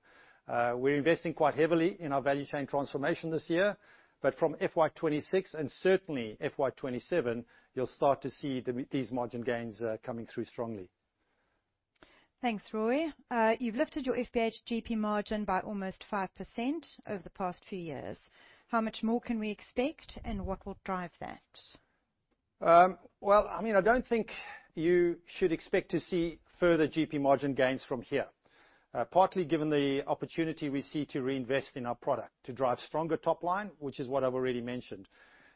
We're investing quite heavily in our value chain transformation this year, but from FY 2026 and certainly FY 2027, you'll start to see these margin gains coming through strongly. Thanks, Roy. You've lifted your FBH GP margin by almost 5% over the past few years. How much more can we expect, and what will drive that? Well, I mean, I don't think you should expect to see further GP margin gains from here. Partly given the opportunity we see to reinvest in our product, to drive stronger top line, which is what I've already mentioned.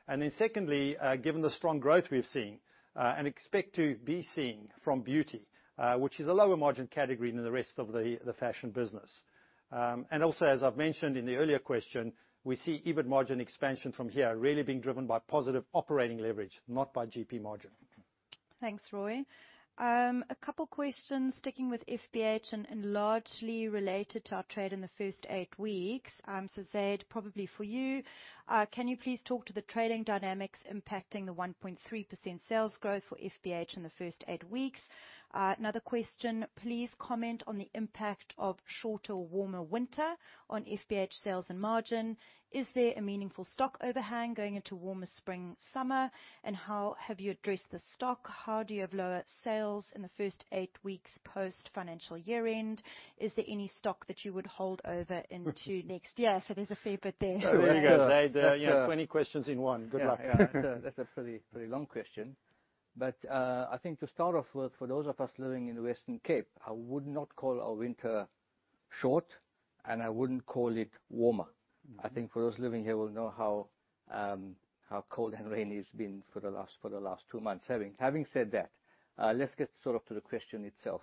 And then secondly, given the strong growth we've seen, and expect to be seeing from beauty, which is a lower margin category than the rest of the fashion business. And also, as I've mentioned in the earlier question, we see EBIT margin expansion from here really being driven by positive operating leverage, not by GP margin. Thanks, Roy. A couple questions, sticking with FBH and largely related to our trade in the first eight weeks. So, Zaid, probably for you, can you please talk to the trading dynamics impacting the 1.3% sales growth for FBH in the first eight weeks? Another question: please comment on the impact of shorter, warmer winter on FBH sales and margin. Is there a meaningful stock overhang going into warmer spring, summer, and how have you addressed the stock? How do you have lower sales in the first eight weeks post-financial year end? Is there any stock that you would hold over into next year? So there's a fair bit there. There you go, Zaid, you know, 20 questions in one. Good luck. Yeah, yeah, that's a pretty long question. But I think to start off with, for those of us living in the Western Cape, I would not call our winter short, and I wouldn't call it warmer. I think for those living here will know how cold and rainy it's been for the last two months. Having said that, let's get sort of to the question itself.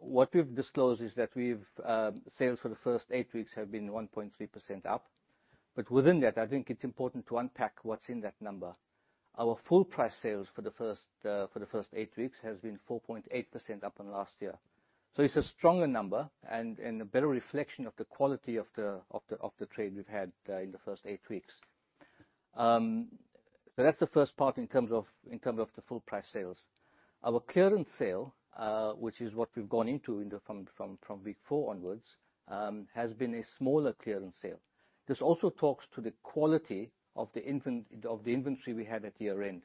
What we've disclosed is that sales for the first eight weeks have been 1.3% up, but within that, I think it's important to unpack what's in that number. Our full price sales for the first eight weeks has been 4.8% up on last year. It's a stronger number and a better reflection of the quality of the trade we've had in the first eight weeks. That's the first part in terms of the full price sales. Our clearance sale, which is what we've gone into from week four onwards, has been a smaller clearance sale. This also talks to the quality of the inventory we had at year end.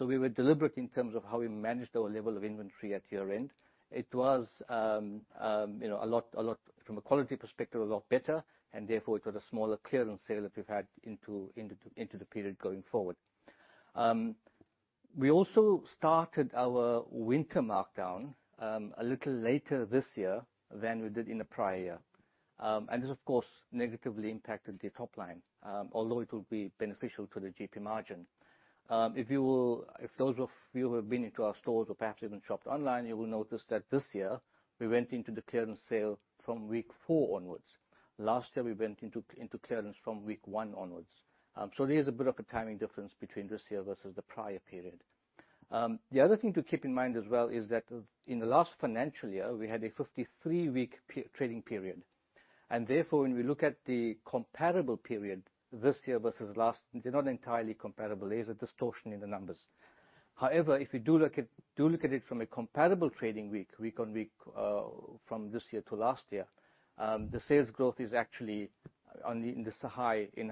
We were deliberate in terms of how we managed our level of inventory at year end. It was, you know, a lot from a quality perspective, a lot better, and therefore, we've got a smaller clearance sale that we've had into the period going forward. We also started our winter markdown a little later this year than we did in the prior year. And this, of course, negatively impacted the top line, although it will be beneficial to the GP margin. If you will, if those of you who have been into our stores or perhaps even shopped online, you will notice that this year we went into the clearance sale from week four onwards. Last year, we went into clearance from week one onwards. So there's a bit of a timing difference between this year versus the prior period. The other thing to keep in mind as well is that in the last financial year, we had a 53-week year trading period, and therefore, when we look at the comparable period this year versus last, they're not entirely comparable. There's a distortion in the numbers. However, if you do look at it from a comparable trading week on week from this year to last year, the sales growth is actually in the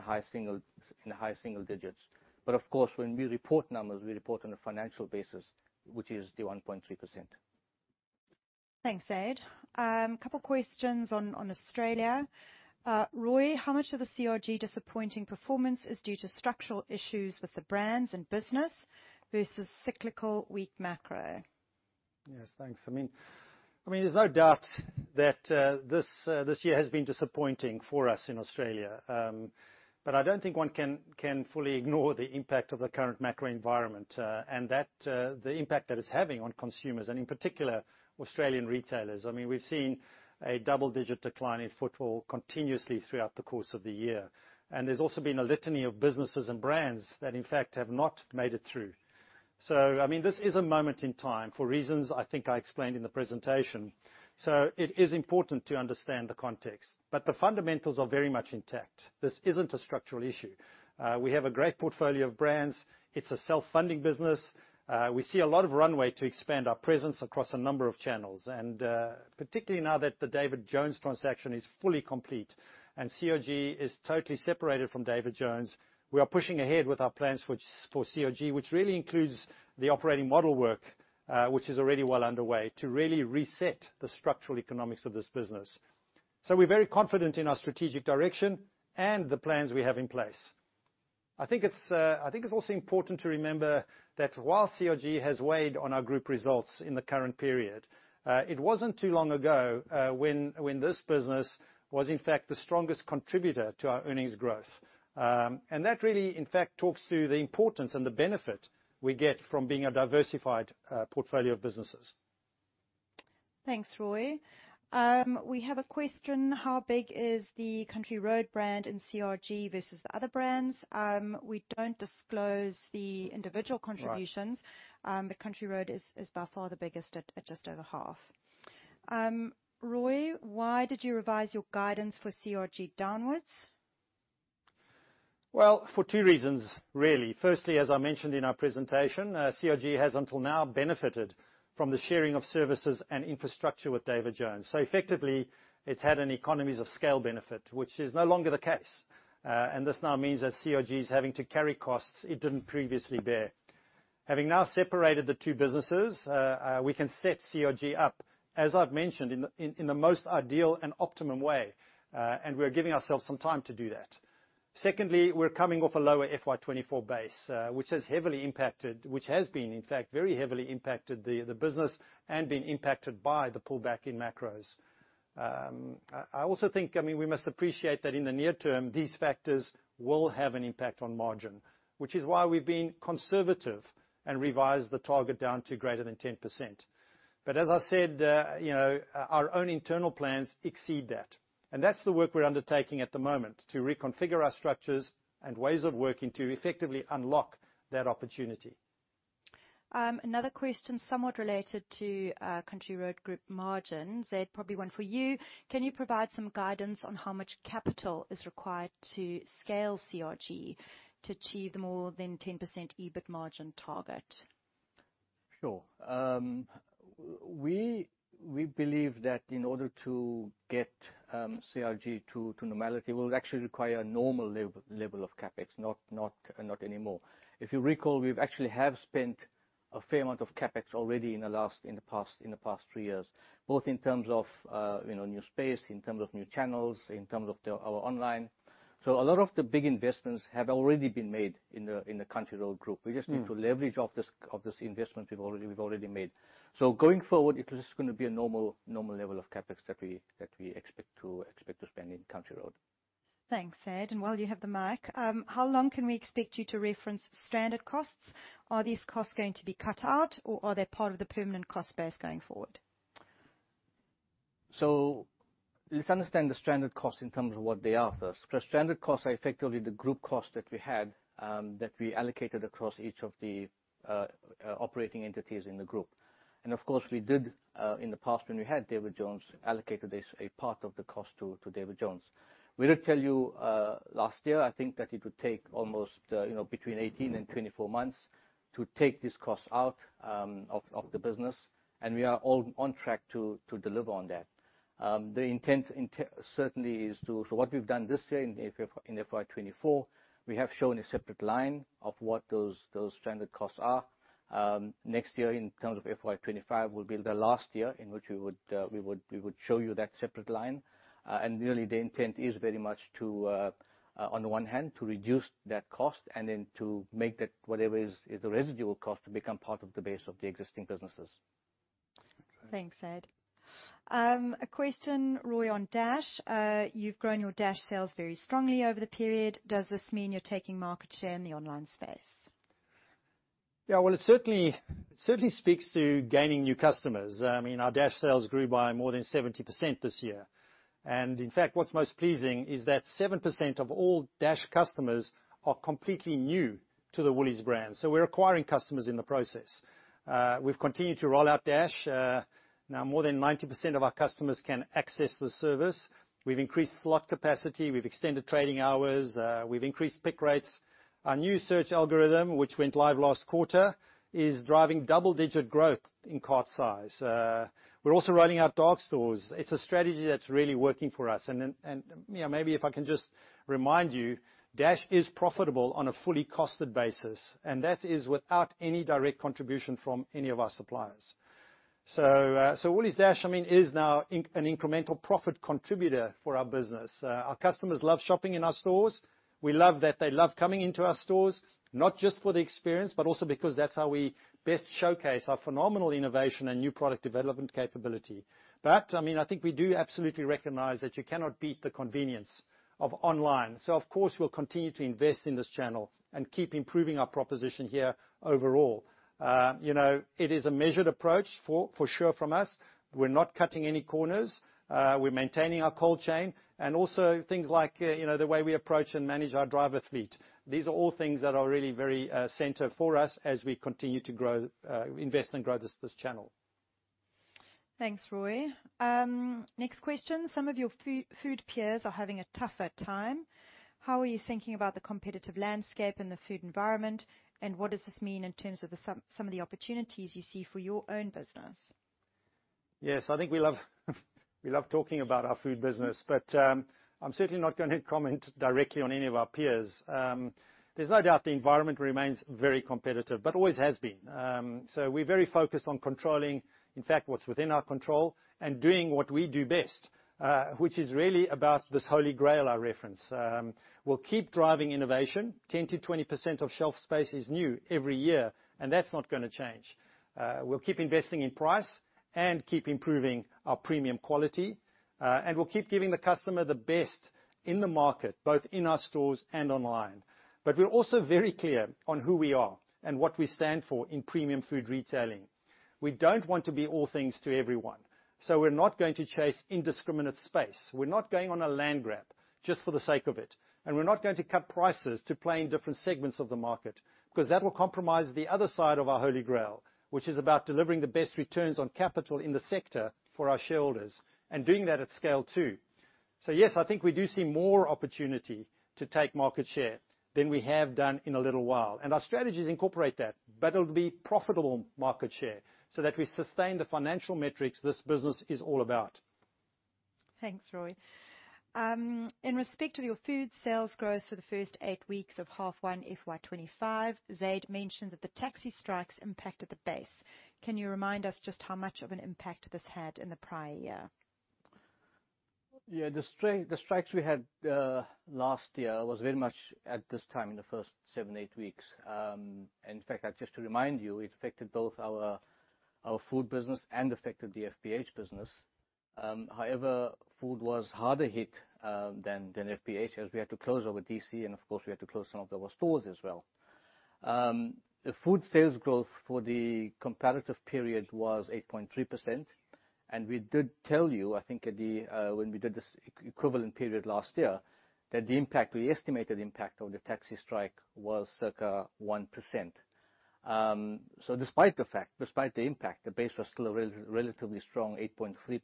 high single digits. But of course, when we report numbers, we report on a financial basis, which is the 1.3%. Thanks, Zaid. Couple questions on Australia. Roy, how much of the CRG disappointing performance is due to structural issues with the brands and business versus cyclical weak macro? Yes, thanks. I mean, there's no doubt that this year has been disappointing for us in Australia. But I don't think one can fully ignore the impact of the current macro environment, and that the impact that it's having on consumers and in particular, Australian retailers. I mean, we've seen a double-digit decline in footfall continuously throughout the course of the year, and there's also been a litany of businesses and brands that, in fact, have not made it through. So, I mean, this is a moment in time, for reasons I think I explained in the presentation, so it is important to understand the context. But the fundamentals are very much intact. This isn't a structural issue. We have a great portfolio of brands. It's a self-funding business. We see a lot of runway to expand our presence across a number of channels, and particularly now that the David Jones transaction is fully complete and CRG is totally separated from David Jones, we are pushing ahead with our plans, which for CRG really includes the operating model work, which is already well underway, to really reset the structural economics of this business. So we're very confident in our strategic direction and the plans we have in place. I think it's also important to remember that while CRG has weighed on our group results in the current period, it wasn't too long ago when this business was, in fact, the strongest contributor to our earnings growth. And that really, in fact, talks to the importance and the benefit we get from being a diversified portfolio of businesses. Thanks, Roy. We have a question: How big is the Country Road brand in CRG versus the other brands? We don't disclose the individual contributions- Right. but Country Road is by far the biggest at just over half. Roy, why did you revise your guidance for CRG downwards? For two reasons, really. Firstly, as I mentioned in our presentation, CRG has until now benefited from the sharing of services and infrastructure with David Jones. So effectively, it's had an economies of scale benefit, which is no longer the case, and this now means that CRG is having to carry costs it didn't previously bear. Having now separated the two businesses, we can set CRG up, as I've mentioned, in the most ideal and optimum way, and we're giving ourselves some time to do that. Secondly, we're coming off a lower FY 2024 base, which has been, in fact, very heavily impacted the business and been impacted by the pullback in macros. I also think, I mean, we must appreciate that in the near term, these factors will have an impact on margin, which is why we've been conservative and revised the target down to greater than 10%. But as I said, you know, our own internal plans exceed that, and that's the work we're undertaking at the moment to reconfigure our structures and ways of working to effectively unlock that opportunity. Another question somewhat related to, Country Road Group margins. Zaid, probably one for you. Can you provide some guidance on how much capital is required to scale CRG to achieve the more than 10% EBIT margin target? Sure. We believe that in order to get CRG to normality, we'll actually require a normal level of CapEx, not any more. If you recall, we've actually have spent a fair amount of CapEx already in the past three years, both in terms of you know, new space, in terms of new channels, in terms of our online. So a lot of the big investments have already been made in the Country Road Group. Mm. We just need to leverage off this investment we've already made, so going forward, it is just gonna be a normal level of CapEx that we expect to spend in Country Road. Thanks, Ed, and while you have the mic, how long can we expect you to reference stranded costs? Are these costs going to be cut out, or are they part of the permanent cost base going forward? So let's understand the stranded costs in terms of what they are first. Stranded costs are effectively the group costs that we had that we allocated across each of the operating entities in the group. And of course, we did in the past, when we had David Jones, allocated this a part of the cost to David Jones. We did tell you last year, I think, that it would take almost you know, between 18 and 24 months to take this cost out of the business, and we are all on track to deliver on that. The intent certainly is to... So what we've done this year in FY 2024, we have shown a separate line of what those stranded costs are. Next year, in terms of FY 2025, will be the last year in which we would show you that separate line, and really, the intent is very much to, on the one hand, to reduce that cost and then to make that whatever is the residual cost to become part of the base of the existing businesses. Thanks, Zaid. Thanks, Zaid. A question, Roy, on Dash. You've grown your Dash sales very strongly over the period. Does this mean you're taking market share in the online space? Yeah, well, it certainly, it certainly speaks to gaining new customers. I mean, our Dash sales grew by more than 70% this year, and in fact, what's most pleasing is that 7% of all Dash customers are completely new to the Woolies brand, so we're acquiring customers in the process. We've continued to roll out Dash. Now, more than 90% of our customers can access the service. We've increased slot capacity. We've extended trading hours. We've increased pick rates. Our new search algorithm, which went live last quarter, is driving double-digit growth in cart size. We're also rolling out dark stores. It's a strategy that's really working for us, and then, you know, maybe if I can just remind you, Dash is profitable on a fully costed basis, and that is without any direct contribution from any of our suppliers. So, Woolies Dash, I mean, is now an incremental profit contributor for our business. Our customers love shopping in our stores. We love that they love coming into our stores, not just for the experience, but also because that's how we best showcase our phenomenal innovation and new product development capability. But, I mean, I think we do absolutely recognize that you cannot beat the convenience of online. So of course, we'll continue to invest in this channel and keep improving our proposition here overall. You know, it is a measured approach for sure from us. We're not cutting any corners. We're maintaining our cold chain, and also things like, you know, the way we approach and manage our driver fleet. These are all things that are really very central for us as we continue to grow, invest and grow this channel. Thanks, Roy. Next question: Some of your food peers are having a tougher time. How are you thinking about the competitive landscape and the food environment, and what does this mean in terms of some of the opportunities you see for your own business? Yes, I think we love, we love talking about our food business, but I'm certainly not gonna comment directly on any of our peers. There's no doubt the environment remains very competitive, but always has been. So we're very focused on controlling, in fact, what's within our control and doing what we do best, which is really about this Holy Grail I reference. We'll keep driving innovation. 10%-20% of shelf space is new every year, and that's not gonna change. We'll keep investing in price and keep improving our premium quality, and we'll keep giving the customer the best in the market, both in our stores and online. But we're also very clear on who we are and what we stand for in premium food retailing. We don't want to be all things to everyone, so we're not going to chase indiscriminate space. We're not going on a land grab just for the sake of it, and we're not going to cut prices to play in different segments of the market, because that will compromise the other side of our Holy Grail, which is about delivering the best returns on capital in the sector for our shareholders, and doing that at scale, too. So, yes, I think we do see more opportunity to take market share than we have done in a little while, and our strategies incorporate that, but it'll be profitable market share so that we sustain the financial metrics this business is all about. Thanks, Roy. In respect to your food sales growth for the first eight weeks of half one, FY 2025, Zaid mentioned that the taxi strikes impacted the base. Can you remind us just how much of an impact this had in the prior year? Yeah, the strikes we had last year was very much at this time, in the first seven, eight weeks. In fact, just to remind you, it affected both our food business and affected the FBH business. However, food was harder hit than FBH, as we had to close our DC, and of course, we had to close some of our stores as well. The food sales growth for the comparative period was 8.3%, and we did tell you, I think, at the when we did this equivalent period last year, that the impact, the estimated impact of the taxi strike was circa 1%. So despite the fact, despite the impact, the base was still a relatively strong 8.3%.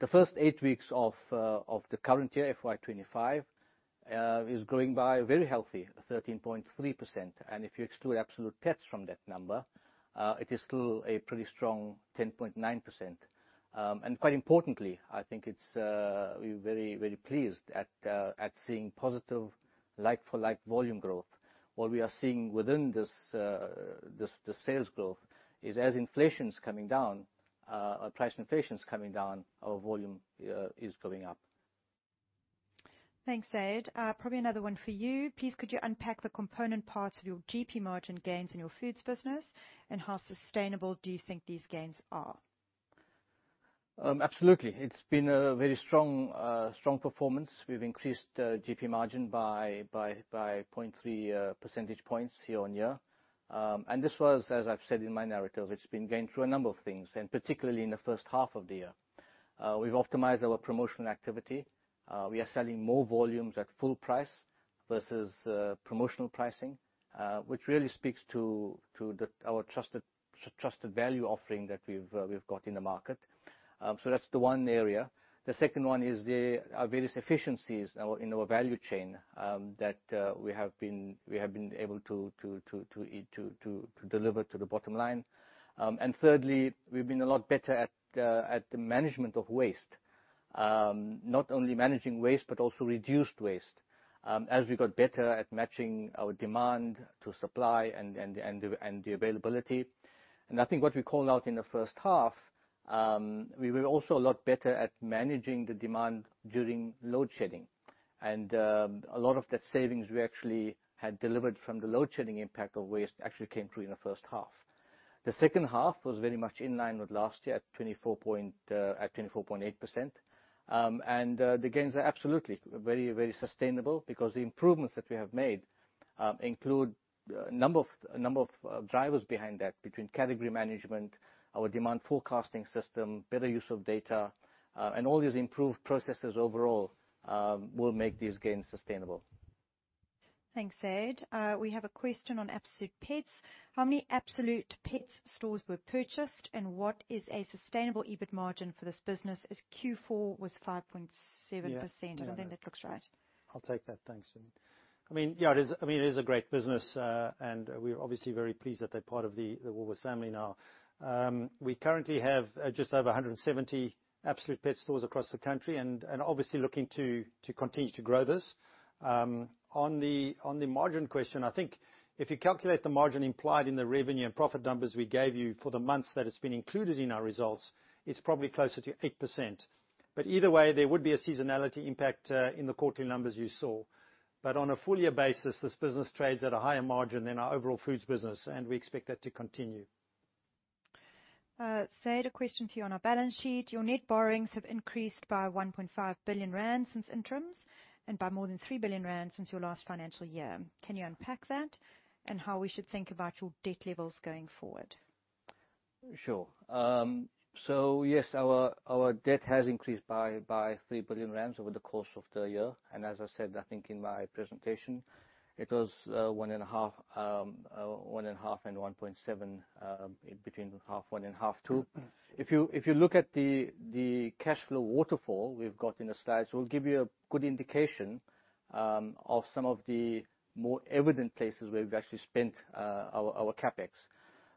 The first eight weeks of the current year, FY25, is going by very healthy, 13.3%, and if you exclude Absolute Pets from that number, it is still a pretty strong 10.9%. Quite importantly, I think it's, we're very, very pleased at seeing positive like-for-like volume growth. What we are seeing within this, the sales growth is, as inflation's coming down, price inflation is coming down, our volume is going up. Thanks, Zaid. Probably another one for you. Please, could you unpack the component parts of your GP margin gains in your foods business, and how sustainable do you think these gains are? Absolutely. It's been a very strong performance. We've increased GP margin by point three percentage points year-on-year. This was, as I've said in my narrative, going through a number of things, particularly in the first half of the year. We've optimized our promotional activity. We are selling more volumes at full price versus promotional pricing, which really speaks to our trusted value offering that we've got in the market. So that's the one area. The second one is our various efficiencies in our value chain that we have been able to deliver to the bottom line. Thirdly, we've been a lot better at the management of waste. Not only managing waste but also reduced waste, as we got better at matching our demand to supply and the availability. I think what we called out in the first half, we were also a lot better at managing the demand during load shedding. A lot of that savings we actually had delivered from the load shedding impact of waste actually came through in the first half. The second half was very much in line with last year, at 24.8%. The gains are absolutely very, very sustainable because the improvements that we have made include a number of drivers behind that, between category management, our demand forecasting system, better use of data, and all these improved processes overall will make these gains sustainable. Thanks, Zaid. We have a question on Absolute Pets: How many Absolute Pets stores were purchased, and what is a sustainable EBIT margin for this business, as Q4 was 5.7%? Yeah. I think that looks right. I'll take that. Thanks, Jeanine. I mean, yeah, it is, I mean, it is a great business, and we're obviously very pleased that they're part of the Woolworths family now. We currently have just over a hundred and seventy Absolute Pets stores across the country and obviously looking to continue to grow this. On the margin question, I think if you calculate the margin implied in the revenue and profit numbers we gave you for the months that it's been included in our results, it's probably closer to 8%. But either way, there would be a seasonality impact in the quarterly numbers you saw. But on a full year basis, this business trades at a higher margin than our overall foods business, and we expect that to continue. Zaid, a question for you on our balance sheet. Your net borrowings have increased by 1.5 billion rand since interims and by more than 3 billion rand since your last financial year. Can you unpack that and how we should think about your debt levels going forward? Sure. So yes, our debt has increased by 3 billion rand over the course of the year, and as I said, I think in my presentation, it was one and a half and one point seven between H1 and a H2. If you look at the cashflow waterfall we've got in the slides, we'll give you a good indication of some of the more evident places where we've actually spent our CapEx.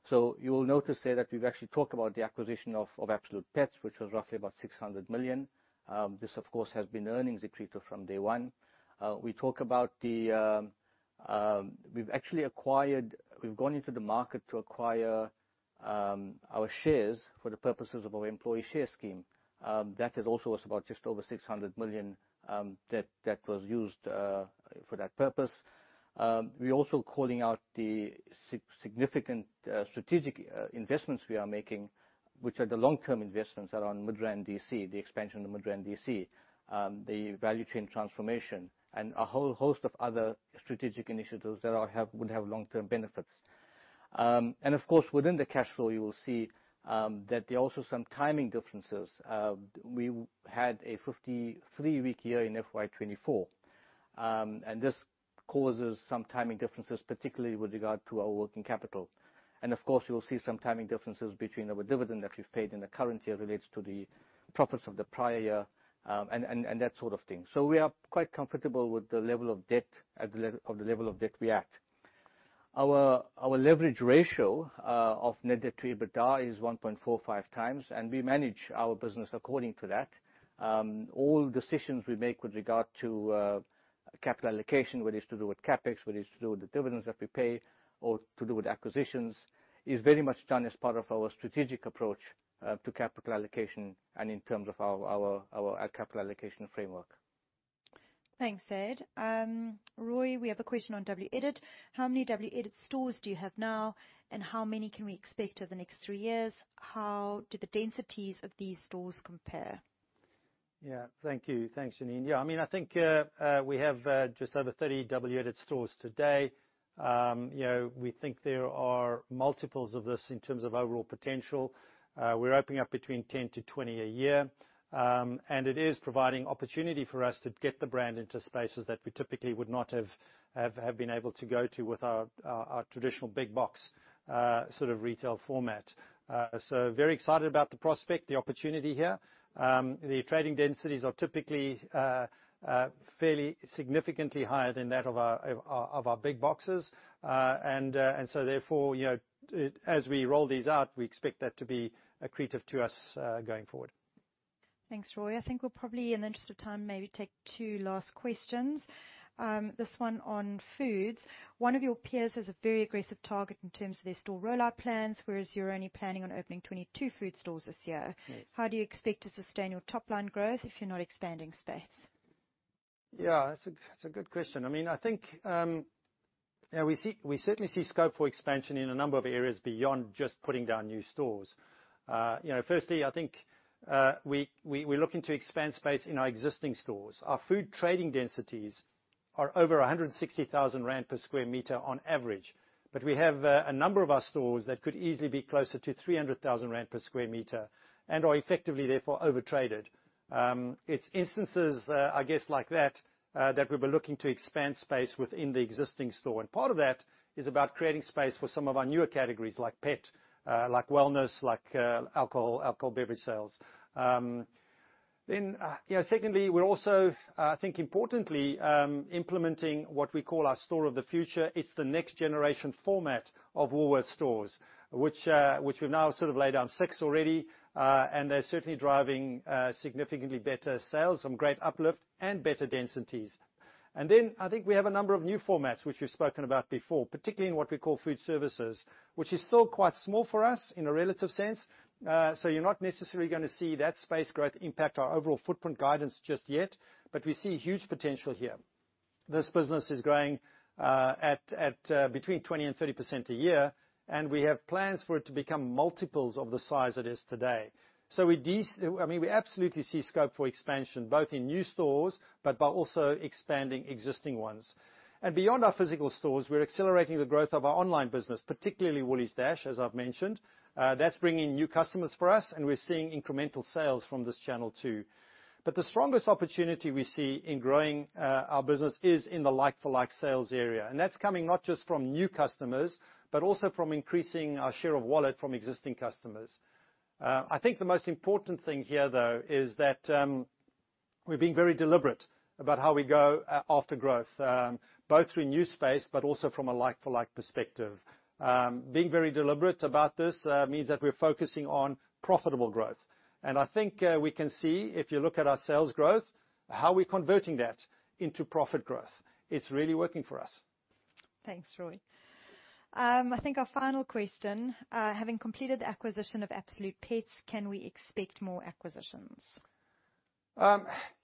So you will notice there that we've actually talked about the acquisition of Absolute Pets, which was roughly about 600 million. This, of course, has been earnings accretive from day one. We talk about the... We've gone into the market to acquire our shares for the purposes of our employee share scheme. That also was about just over 600 million that was used for that purpose. We're also calling out the significant strategic investments we are making, which are the long-term investments around Midrand DC, the expansion of Midrand DC, the value chain transformation, and a whole host of other strategic initiatives that have long-term benefits. Of course, within the cash flow, you will see that there are also some timing differences. We had a 53-week year in FY 2024, and this causes some timing differences, particularly with regard to our working capital. Of course, you will see some timing differences between our dividend that we've paid, and the current year relates to the profits of the prior year, and that sort of thing. So we are quite comfortable with the level of debt at the level of debt we are at. Our leverage ratio of net debt to EBITDA is 1.45x, and we manage our business according to that. All decisions we make with regard to capital allocation, whether it's to do with CapEx, whether it's to do with the dividends that we pay or to do with acquisitions, is very much done as part of our strategic approach to capital allocation and in terms of our capital allocation framework. Thanks, Zaid. Roy, we have a question on WEdit. How many WEdit stores do you have now, and how many can we expect over the next three years? How do the densities of these stores compare? Yeah, thank you. Thanks, Janine. Yeah, I mean, I think we have just over 30 WEdit stores today. You know, we think there are multiples of this in terms of overall potential. We're opening up between 10 to 20 a year. And it is providing opportunity for us to get the brand into spaces that we typically would not have been able to go to with our traditional big box sort of retail format. So very excited about the prospect, the opportunity here. The trading densities are typically fairly significantly higher than that of our big boxes. And so therefore, you know, as we roll these out, we expect that to be accretive to us going forward. Thanks, Roy. I think we'll probably, in the interest of time, maybe take two last questions. This one on foods: One of your peers has a very aggressive target in terms of their store rollout plans, whereas you're only planning on opening twenty-two food stores this year. Yes. How do you expect to sustain your top line growth if you're not expanding space? Yeah, that's a good question. I mean, I think, yeah, we see we certainly see scope for expansion in a number of areas beyond just putting down new stores. You know, firstly, I think, we, we're looking to expand space in our existing stores. Our food trading densities are over 160,000 rand per sq m on average, but we have a number of our stores that could easily be closer to 300,000 rand per sq m, and are effectively, therefore, over traded. It's instances, I guess like that, that we'll be looking to expand space within the existing store, and part of that is about creating space for some of our newer categories, like pet, like wellness, like alcohol beverage sales. Then, you know, secondly, we're also, I think importantly, implementing what we call our store of the future. It's the next generation format of Woolworths stores, which we've now sort of laid down six already, and they're certainly driving significantly better sales, some great uplift, and better densities. Then, I think we have a number of new formats, which we've spoken about before, particularly in what we call food services, which is still quite small for us in a relative sense. So you're not necessarily gonna see that space growth impact our overall footprint guidance just yet, but we see huge potential here. This business is growing at between 20% and 30% a year, and we have plans for it to become multiples of the size it is today. So I mean, we absolutely see scope for expansion, both in new stores, but by also expanding existing ones. And beyond our physical stores, we're accelerating the growth of our online business, particularly Woolies Dash, as I've mentioned. That's bringing new customers for us, and we're seeing incremental sales from this channel, too. But the strongest opportunity we see in growing our business is in the like-for-like sales area, and that's coming not just from new customers, but also from increasing our share of wallet from existing customers. I think the most important thing here, though, is that we're being very deliberate about how we go after growth, both through new space, but also from a like-for-like perspective. Being very deliberate about this means that we're focusing on profitable growth, and I think we can see, if you look at our sales growth, how we're converting that into profit growth. It's really working for us. Thanks, Roy. I think our final question: Having completed the acquisition of Absolute Pets, can we expect more acquisitions?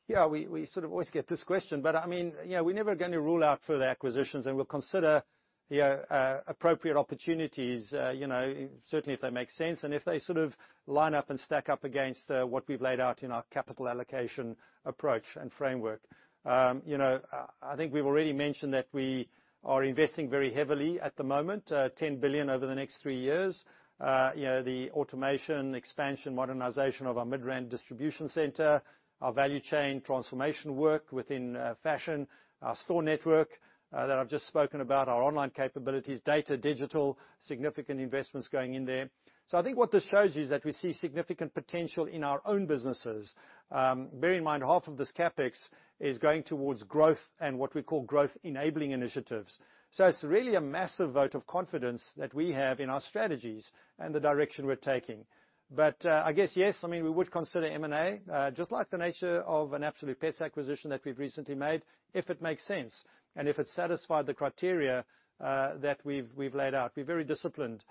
Yeah, we sort of always get this question, but, I mean, you know, we're never gonna rule out further acquisitions, and we'll consider, you know, appropriate opportunities, you know, certainly if they make sense, and if they sort of line up and stack up against, what we've laid out in our capital allocation approach and framework. You know, I think we've already mentioned that we are investing very heavily at the moment, 10 billion over the next three years. You know, the automation, expansion, modernization of our Midrand distribution center, our value chain transformation work within, fashion, our store network, that I've just spoken about, our online capabilities, data, digital, significant investments going in there. So I think what this shows you is that we see significant potential in our own businesses. Bear in mind, half of this CapEx is going toward growth and what we call growth-enabling initiatives. So it's really a massive vote of confidence that we have in our strategies and the direction we're taking. But, I guess, yes, I mean, we would consider M&A, just like the nature of an Absolute Pets acquisition that we've recently made, if it makes sense, and if it satisfied the criteria, that we've laid out. We're very disciplined,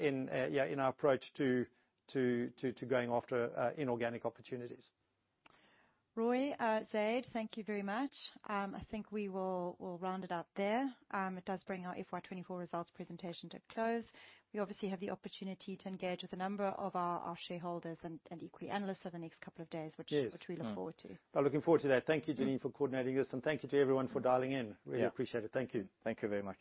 in our approach to going after inorganic opportunities. Roy, Zaid, thank you very much. I think we will, we'll round it up there. It does bring our FY24 results presentation to a close. We obviously have the opportunity to engage with a number of our shareholders and equity analysts over the next couple of days. Yes. which we look forward to. I'm looking forward to that. Thank you, Janine, for coordinating this, and thank you to everyone for dialing in. Yeah. Really appreciate it. Thank you. Thank you very much.